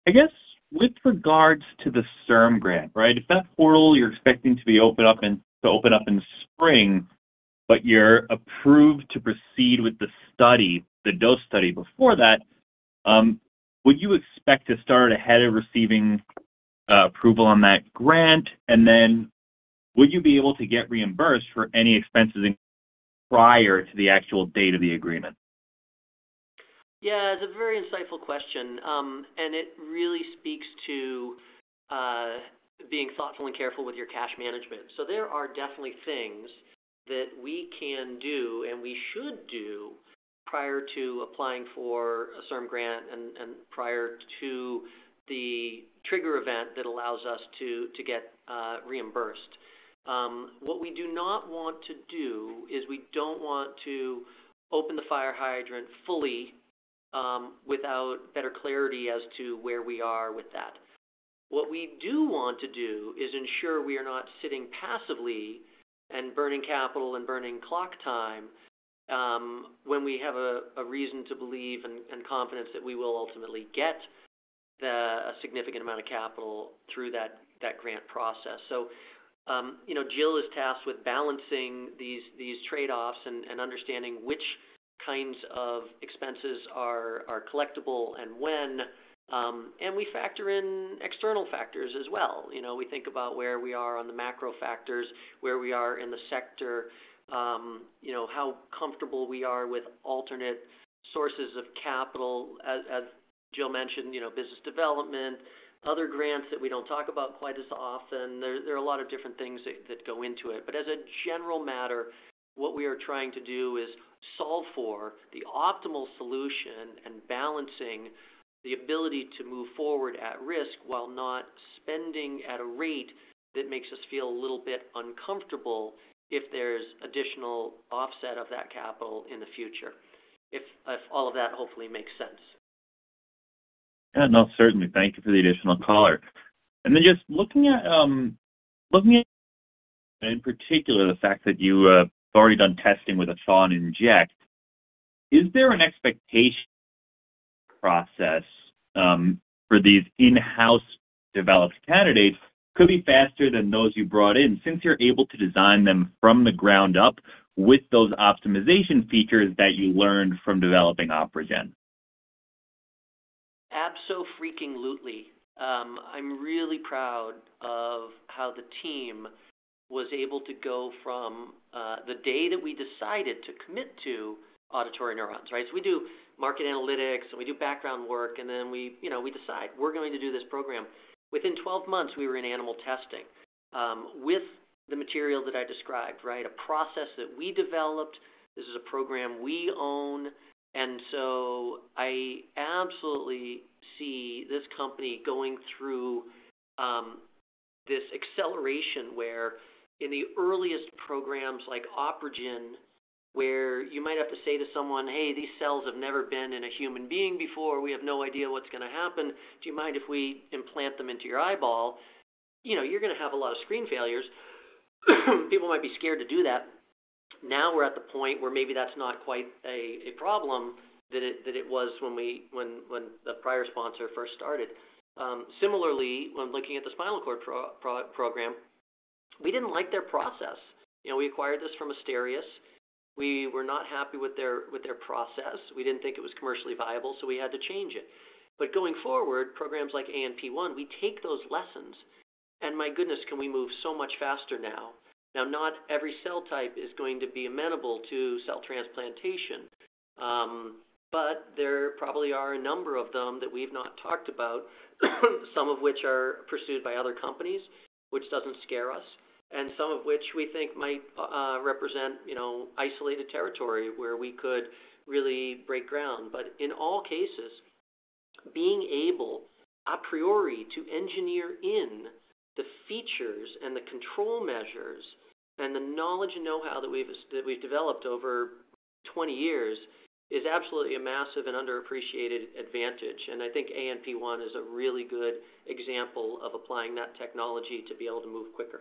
I guess with regards to the CIRM grant, right? If that portal you're expecting to open up in the spring, but you're approved to proceed with the study, the DOST study before that, would you expect to start ahead of receiving approval on that grant? And then would you be able to get reimbursed for any expenses prior to the actual date of the agreement? Yeah. It's a very insightful question, and it really speaks to being thoughtful and careful with your cash management. So there are definitely things that we can do and we should do prior to applying for a CIRM grant and prior to the trigger event that allows us to get reimbursed. What we do not want to do is we don't want to open the fire hydrant fully without better clarity as to where we are with that. What we do want to do is ensure we are not sitting passively and burning capital and burning clock time when we have a reason to believe and confidence that we will ultimately get a significant amount of capital through that grant process. So Jill is tasked with balancing these trade-offs and understanding which kinds of expenses are collectible and when. And we factor in external factors as well. We think about where we are on the macro factors, where we are in the sector, how comfortable we are with alternate sources of capital. As Jill mentioned, business development, other grants that we don't talk about quite as often. There are a lot of different things that go into it. But as a general matter, what we are trying to do is solve for the optimal solution and balancing the ability to move forward at risk while not spending at a rate that makes us feel a little bit uncomfortable if there's additional offset of that capital in the future, if all of that hopefully makes sense. Yeah. No, certainly. Thank you for the additional color. And then just looking at, in particular, the fact that you've already done testing with a subretinal injection, is there an expected process for these in-house developed candidates could be faster than those you brought in since you're able to design them from the ground up with those optimization features that you learned from developing OpRegen? Abso-freaking-lutely. I'm really proud of how the team was able to go from the day that we decided to commit to auditory neurons, right? So we do market analytics, and we do background work, and then we decide we're going to do this program. Within 12 months, we were in animal testing with the material that I described, right? A process that we developed. This is a program we own, and so I absolutely see this company going through this acceleration where in the earliest programs like OpRegen, where you might have to say to someone, "Hey, these cells have never been in a human being before. We have no idea what's going to happen. Do you mind if we implant them into your eyeball?" You're going to have a lot of screen failures. People might be scared to do that. Now we're at the point where maybe that's not quite a problem that it was when the prior sponsor first started. Similarly, when looking at the spinal cord program, we didn't like their process. We acquired this from Asterias. We were not happy with their process. We didn't think it was commercially viable, so we had to change it. But going forward, programs like ANP1, we take those lessons, and my goodness, can we move so much faster now. Now, not every cell type is going to be amenable to cell transplantation, but there probably are a number of them that we've not talked about, some of which are pursued by other companies, which doesn't scare us, and some of which we think might represent isolated territory where we could really break ground. But in all cases, being able a priori to engineer in the features and the control measures and the knowledge and know-how that we've developed over 20 years is absolutely a massive and underappreciated advantage. And I think ANP1 is a really good example of applying that technology to be able to move quicker.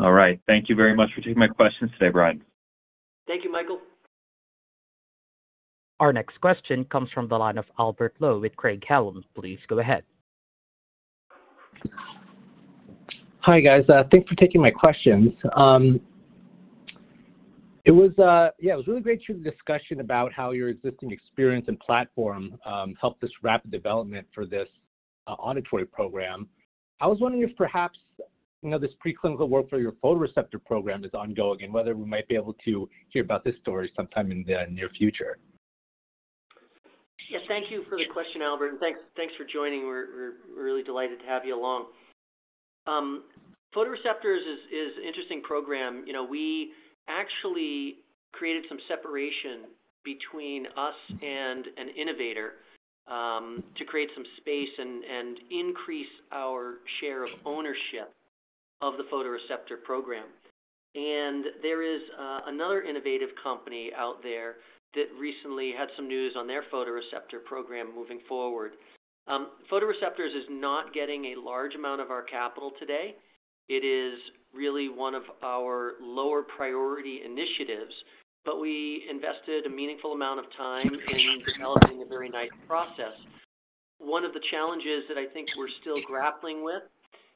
All right. Thank you very much for taking my questions today, Brian. Thank you, Michael. Our next question comes from the line of Albert Lowe with Craig-Hallum. Please go ahead. Hi, guys. Thanks for taking my questions. Yeah, it was really great to hear the discussion about how your existing experience and platform helped this rapid development for this auditory program. I was wondering if perhaps this pre-clinical work for your photoreceptor program is ongoing and whether we might be able to hear about this story sometime in the near future? Yeah. Thank you for the question, Albert. And thanks for joining. We're really delighted to have you along. Photoreceptors is an interesting program. We actually created some separation between us and an innovator to create some space and increase our share of ownership of the photoreceptor program. And there is another innovative company out there that recently had some news on their photoreceptor program moving forward. Photoreceptors is not getting a large amount of our capital today. It is really one of our lower priority initiatives, but we invested a meaningful amount of time in developing a very nice process. One of the challenges that I think we're still grappling with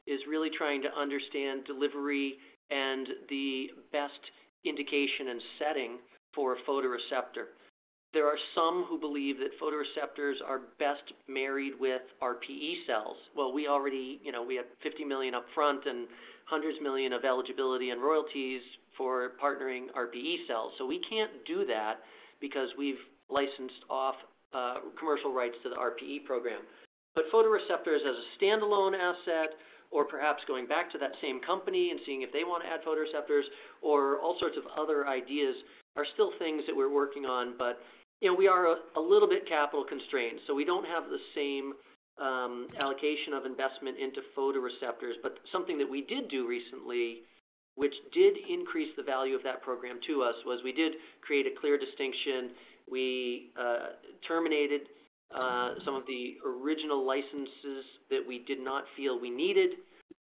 is really trying to understand delivery and the best indication and setting for a photoreceptor. There are some who believe that photoreceptors are best married with RPE cells. We already have $50 million upfront and hundreds of millions in milestones and royalties for partnering RPE cells. We can't do that because we've licensed off commercial rights to the RPE program. Photoreceptors as a standalone asset or perhaps going back to that same company and seeing if they want to add photoreceptors or all sorts of other ideas are still things that we're working on. We are a little bit capital constrained, so we don't have the same allocation of investment into photoreceptors. Something that we did do recently, which did increase the value of that program to us, was we did create a clear distinction. We terminated some of the original licenses that we did not feel we needed,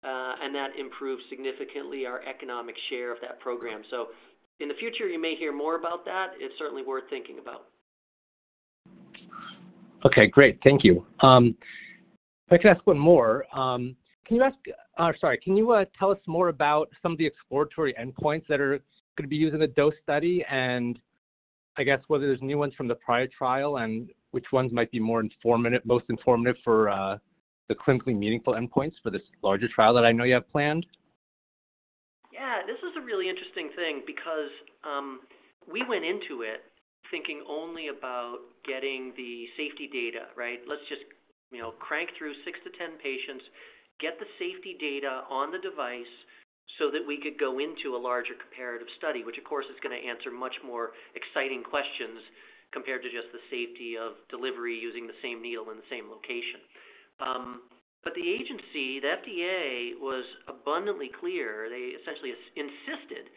and that improved significantly our economic share of that program. In the future, you may hear more about that. It's certainly worth thinking about. Okay. Great. Thank you. If I could ask one more. Can you tell us more about some of the exploratory endpoints that are going to be used in the DOST study and I guess whether there's new ones from the prior trial and which ones might be most informative for the clinically meaningful endpoints for this larger trial that I know you have planned? Yeah. This is a really interesting thing because we went into it thinking only about getting the safety data, right? Let's just crank through six to 10 patients, get the safety data on the device so that we could go into a larger comparative study, which, of course, is going to answer much more exciting questions compared to just the safety of delivery using the same needle in the same location. But the agency, the FDA, was abundantly clear. They essentially insisted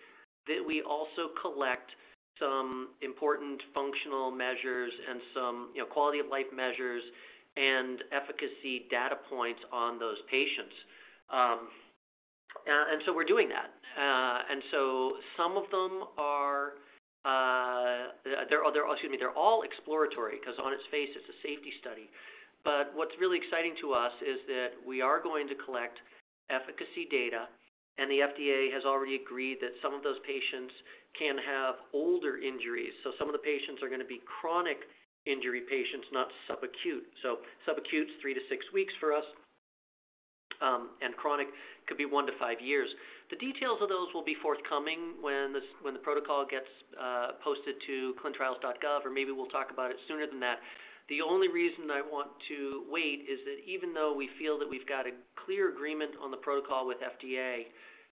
that we also collect some important functional measures and some quality of life measures and efficacy data points on those patients. And so we're doing that. And so some of them are excuse me, they're all exploratory because on its face, it's a safety study. But what's really exciting to us is that we are going to collect efficacy data, and the FDA has already agreed that some of those patients can have older injuries. So some of the patients are going to be chronic injury patients, not subacute. So subacute is three to six weeks for us, and chronic could be one to five years. The details of those will be forthcoming when the protocol gets posted to clinicaltrials.gov, or maybe we'll talk about it sooner than that. The only reason I want to wait is that even though we feel that we've got a clear agreement on the protocol with FDA,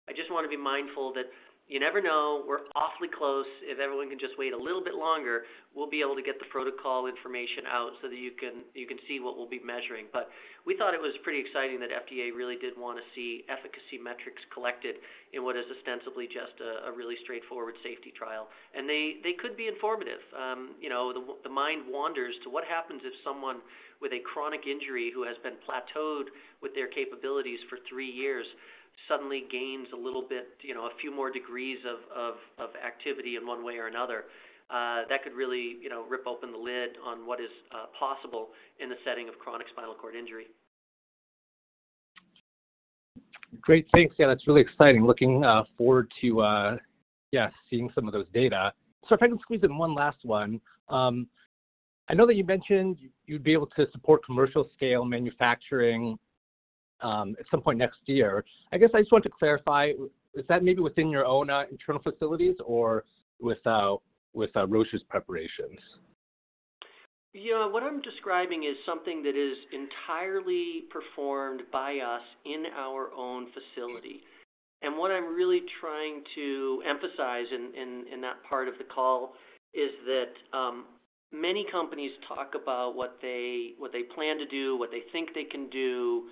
I just want to be mindful that you never know. We're awfully close. If everyone can just wait a little bit longer, we'll be able to get the protocol information out so that you can see what we'll be measuring. But we thought it was pretty exciting that FDA really did want to see efficacy metrics collected in what is ostensibly just a really straightforward safety trial. And they could be informative. The mind wanders to what happens if someone with a chronic injury who has been plateaued with their capabilities for three years suddenly gains a little bit, a few more degrees of activity in one way or another. That could really rip open the lid on what is possible in the setting of chronic spinal cord injury. Great. Thanks. Yeah. That's really exciting. Looking forward to, yeah, seeing some of those data. So if I can squeeze in one last one. I know that you mentioned you'd be able to support commercial-scale manufacturing at some point next year. I guess I just want to clarify. Is that maybe within your own internal facilities or with Roche's preparations? Yeah. What I'm describing is something that is entirely performed by us in our own facility. And what I'm really trying to emphasize in that part of the call is that many companies talk about what they plan to do, what they think they can do,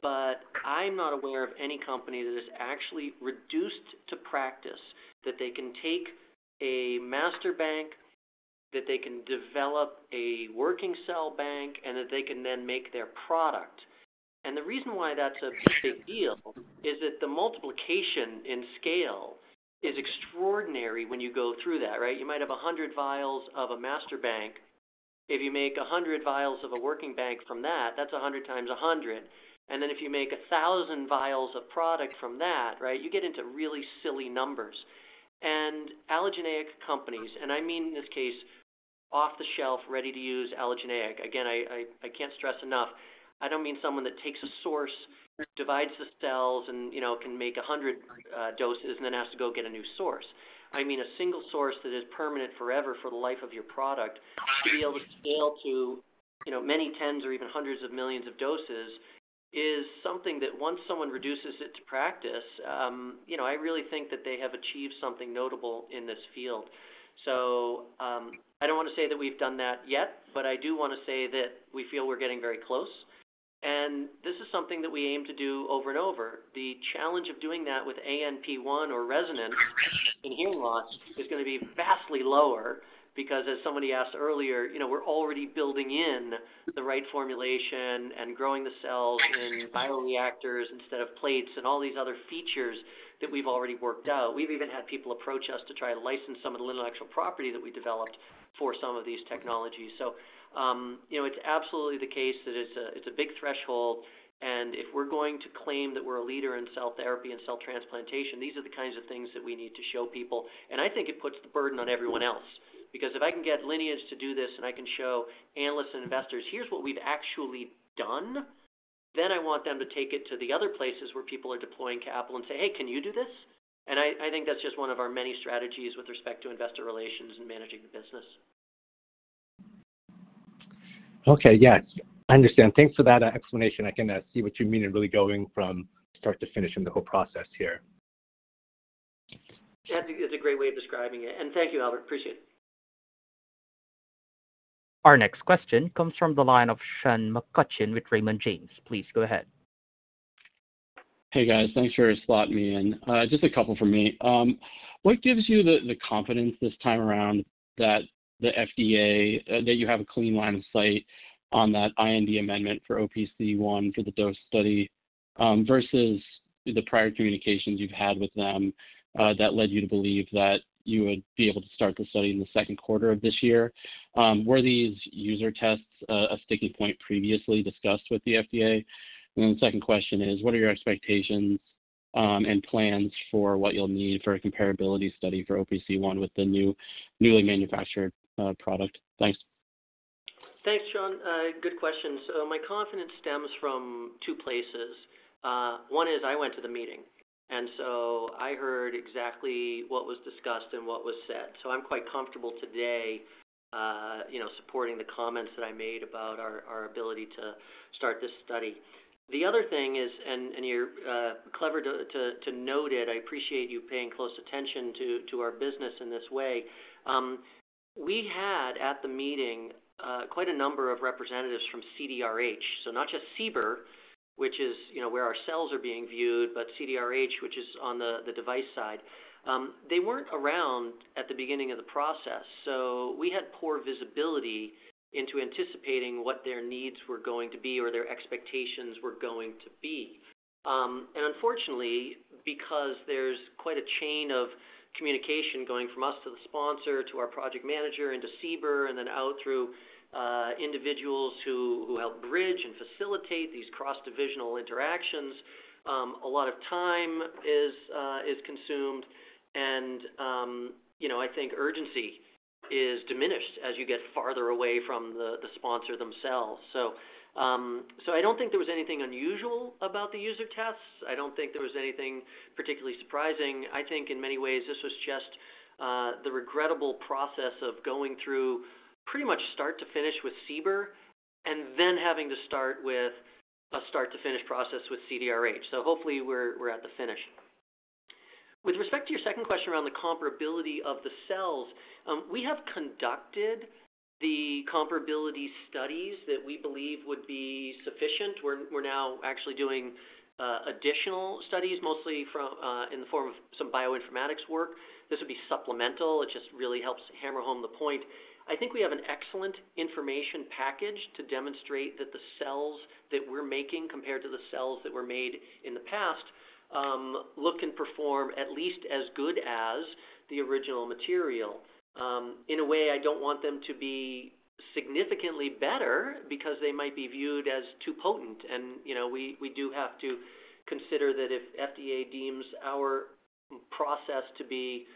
but I'm not aware of any company that has actually reduced to practice that they can take a master bank, that they can develop a working cell bank, and that they can then make their product. And the reason why that's a big deal is that the multiplication in scale is extraordinary when you go through that, right? You might have 100 vials of a master bank. If you make 100 vials of a working bank from that, that's 100 times 100. And then if you make 1,000 vials of product from that, right, you get into really silly numbers. And allogeneic companies, and I mean in this case, off-the-shelf, ready-to-use allogeneic. Again, I can't stress enough. I don't mean someone that takes a source, divides the cells, and can make 100 doses and then has to go get a new source. I mean a single source that is permanent forever for the life of your product to be able to scale to many tens or even hundreds of millions of doses is something that once someone reduces it to practice, I really think that they have achieved something notable in this field. So I don't want to say that we've done that yet, but I do want to say that we feel we're getting very close. And this is something that we aim to do over and over. The challenge of doing that with ANP1 or ReSonance in hearing loss is going to be vastly lower because, as somebody asked earlier, we're already building in the right formulation and growing the cells in bioreactors instead of plates and all these other features that we've already worked out. We've even had people approach us to try to license some of the intellectual property that we developed for some of these technologies. So it's absolutely the case that it's a big threshold. And if we're going to claim that we're a leader in cell therapy and cell transplantation, these are the kinds of things that we need to show people. And I think it puts the burden on everyone else because if I can get Lineage to do this and I can show analysts and investors, "Here's what we've actually done," then I want them to take it to the other places where people are deploying capital and say, "Hey, can you do this?" And I think that's just one of our many strategies with respect to investor relations and managing the business. Okay. Yeah. I understand. Thanks for that explanation. I can see what you mean in really going from start to finish in the whole process here. Yeah. It's a great way of describing it. And thank you, Albert. Appreciate it. Our next question comes from the line of Sean McCutcheon with Raymond James. Please go ahead. Hey, guys. Thanks for slotting me in. Just a couple for me. What gives you the confidence this time around that the FDA that you have a clean line of sight on that IND amendment for OPC1 for the DOST study versus the prior communications you've had with them that led you to believe that you would be able to start the study in the second quarter of this year? Were these usability tests a sticking point previously discussed with the FDA? And then the second question is, what are your expectations and plans for what you'll need for a comparability study for OPC1 with the newly manufactured product? Thanks. Thanks, Sean. Good question. So my confidence stems from two places. One is I went to the meeting, and so I heard exactly what was discussed and what was said. So I'm quite comfortable today supporting the comments that I made about our ability to start this study. The other thing is, and you're clever to note it, I appreciate you paying close attention to our business in this way. We had at the meeting quite a number of representatives from CDRH, so not just CBER, which is where our cells are being viewed, but CDRH, which is on the device side. They weren't around at the beginning of the process, so we had poor visibility into anticipating what their needs were going to be or their expectations were going to be. Unfortunately, because there's quite a chain of communication going from us to the sponsor to our project manager and to CBER and then out through individuals who help bridge and facilitate these cross-divisional interactions, a lot of time is consumed, and I think urgency is diminished as you get farther away from the sponsor themselves. So I don't think there was anything unusual about the user tests. I don't think there was anything particularly surprising. I think in many ways, this was just the regrettable process of going through pretty much start to finish with CBER and then having to start with a start-to-finish process with CDRH. So hopefully, we're at the finish. With respect to your second question around the comparability of the cells, we have conducted the comparability studies that we believe would be sufficient. We're now actually doing additional studies, mostly in the form of some bioinformatics work. This would be supplemental. It just really helps hammer home the point. I think we have an excellent information package to demonstrate that the cells that we're making compared to the cells that were made in the past look and perform at least as good as the original material. In a way, I don't want them to be significantly better because they might be viewed as too potent, and we do have to consider that if FDA deems our process to be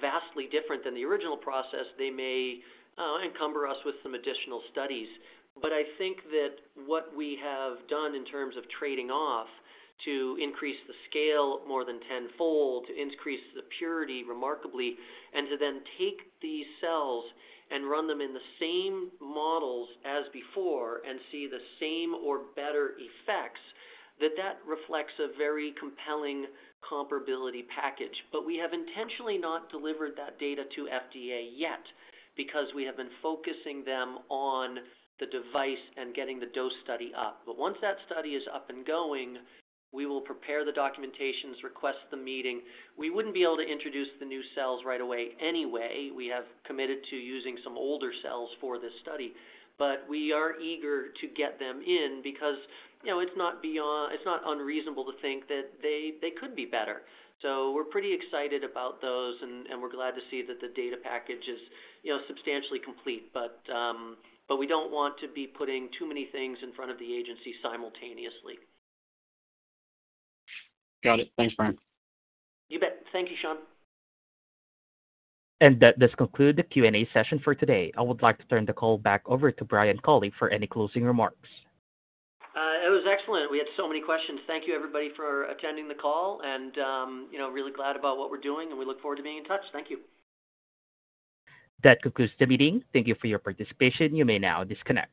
vastly different than the original process, they may encumber us with some additional studies. But I think that what we have done in terms of trading off to increase the scale more than tenfold, to increase the purity remarkably, and to then take these cells and run them in the same models as before and see the same or better effects, that that reflects a very compelling comparability package. But we have intentionally not delivered that data to FDA yet because we have been focusing them on the device and getting the dose study up. But once that study is up and going, we will prepare the documentation, request the meeting. We wouldn't be able to introduce the new cells right away anyway. We have committed to using some older cells for this study, but we are eager to get them in because it's not unreasonable to think that they could be better. So we're pretty excited about those, and we're glad to see that the data package is substantially complete. But we don't want to be putting too many things in front of the agency simultaneously. Got it. Thanks, Brian. You bet. Thank you, Sean. That does conclude the Q&A session for today. I would like to turn the call back over to Brian Culley for any closing remarks. It was excellent. We had so many questions. Thank you, everybody, for attending the call, and really glad about what we're doing, and we look forward to being in touch. Thank you. That concludes the meeting. Thank you for your participation. You may now disconnect.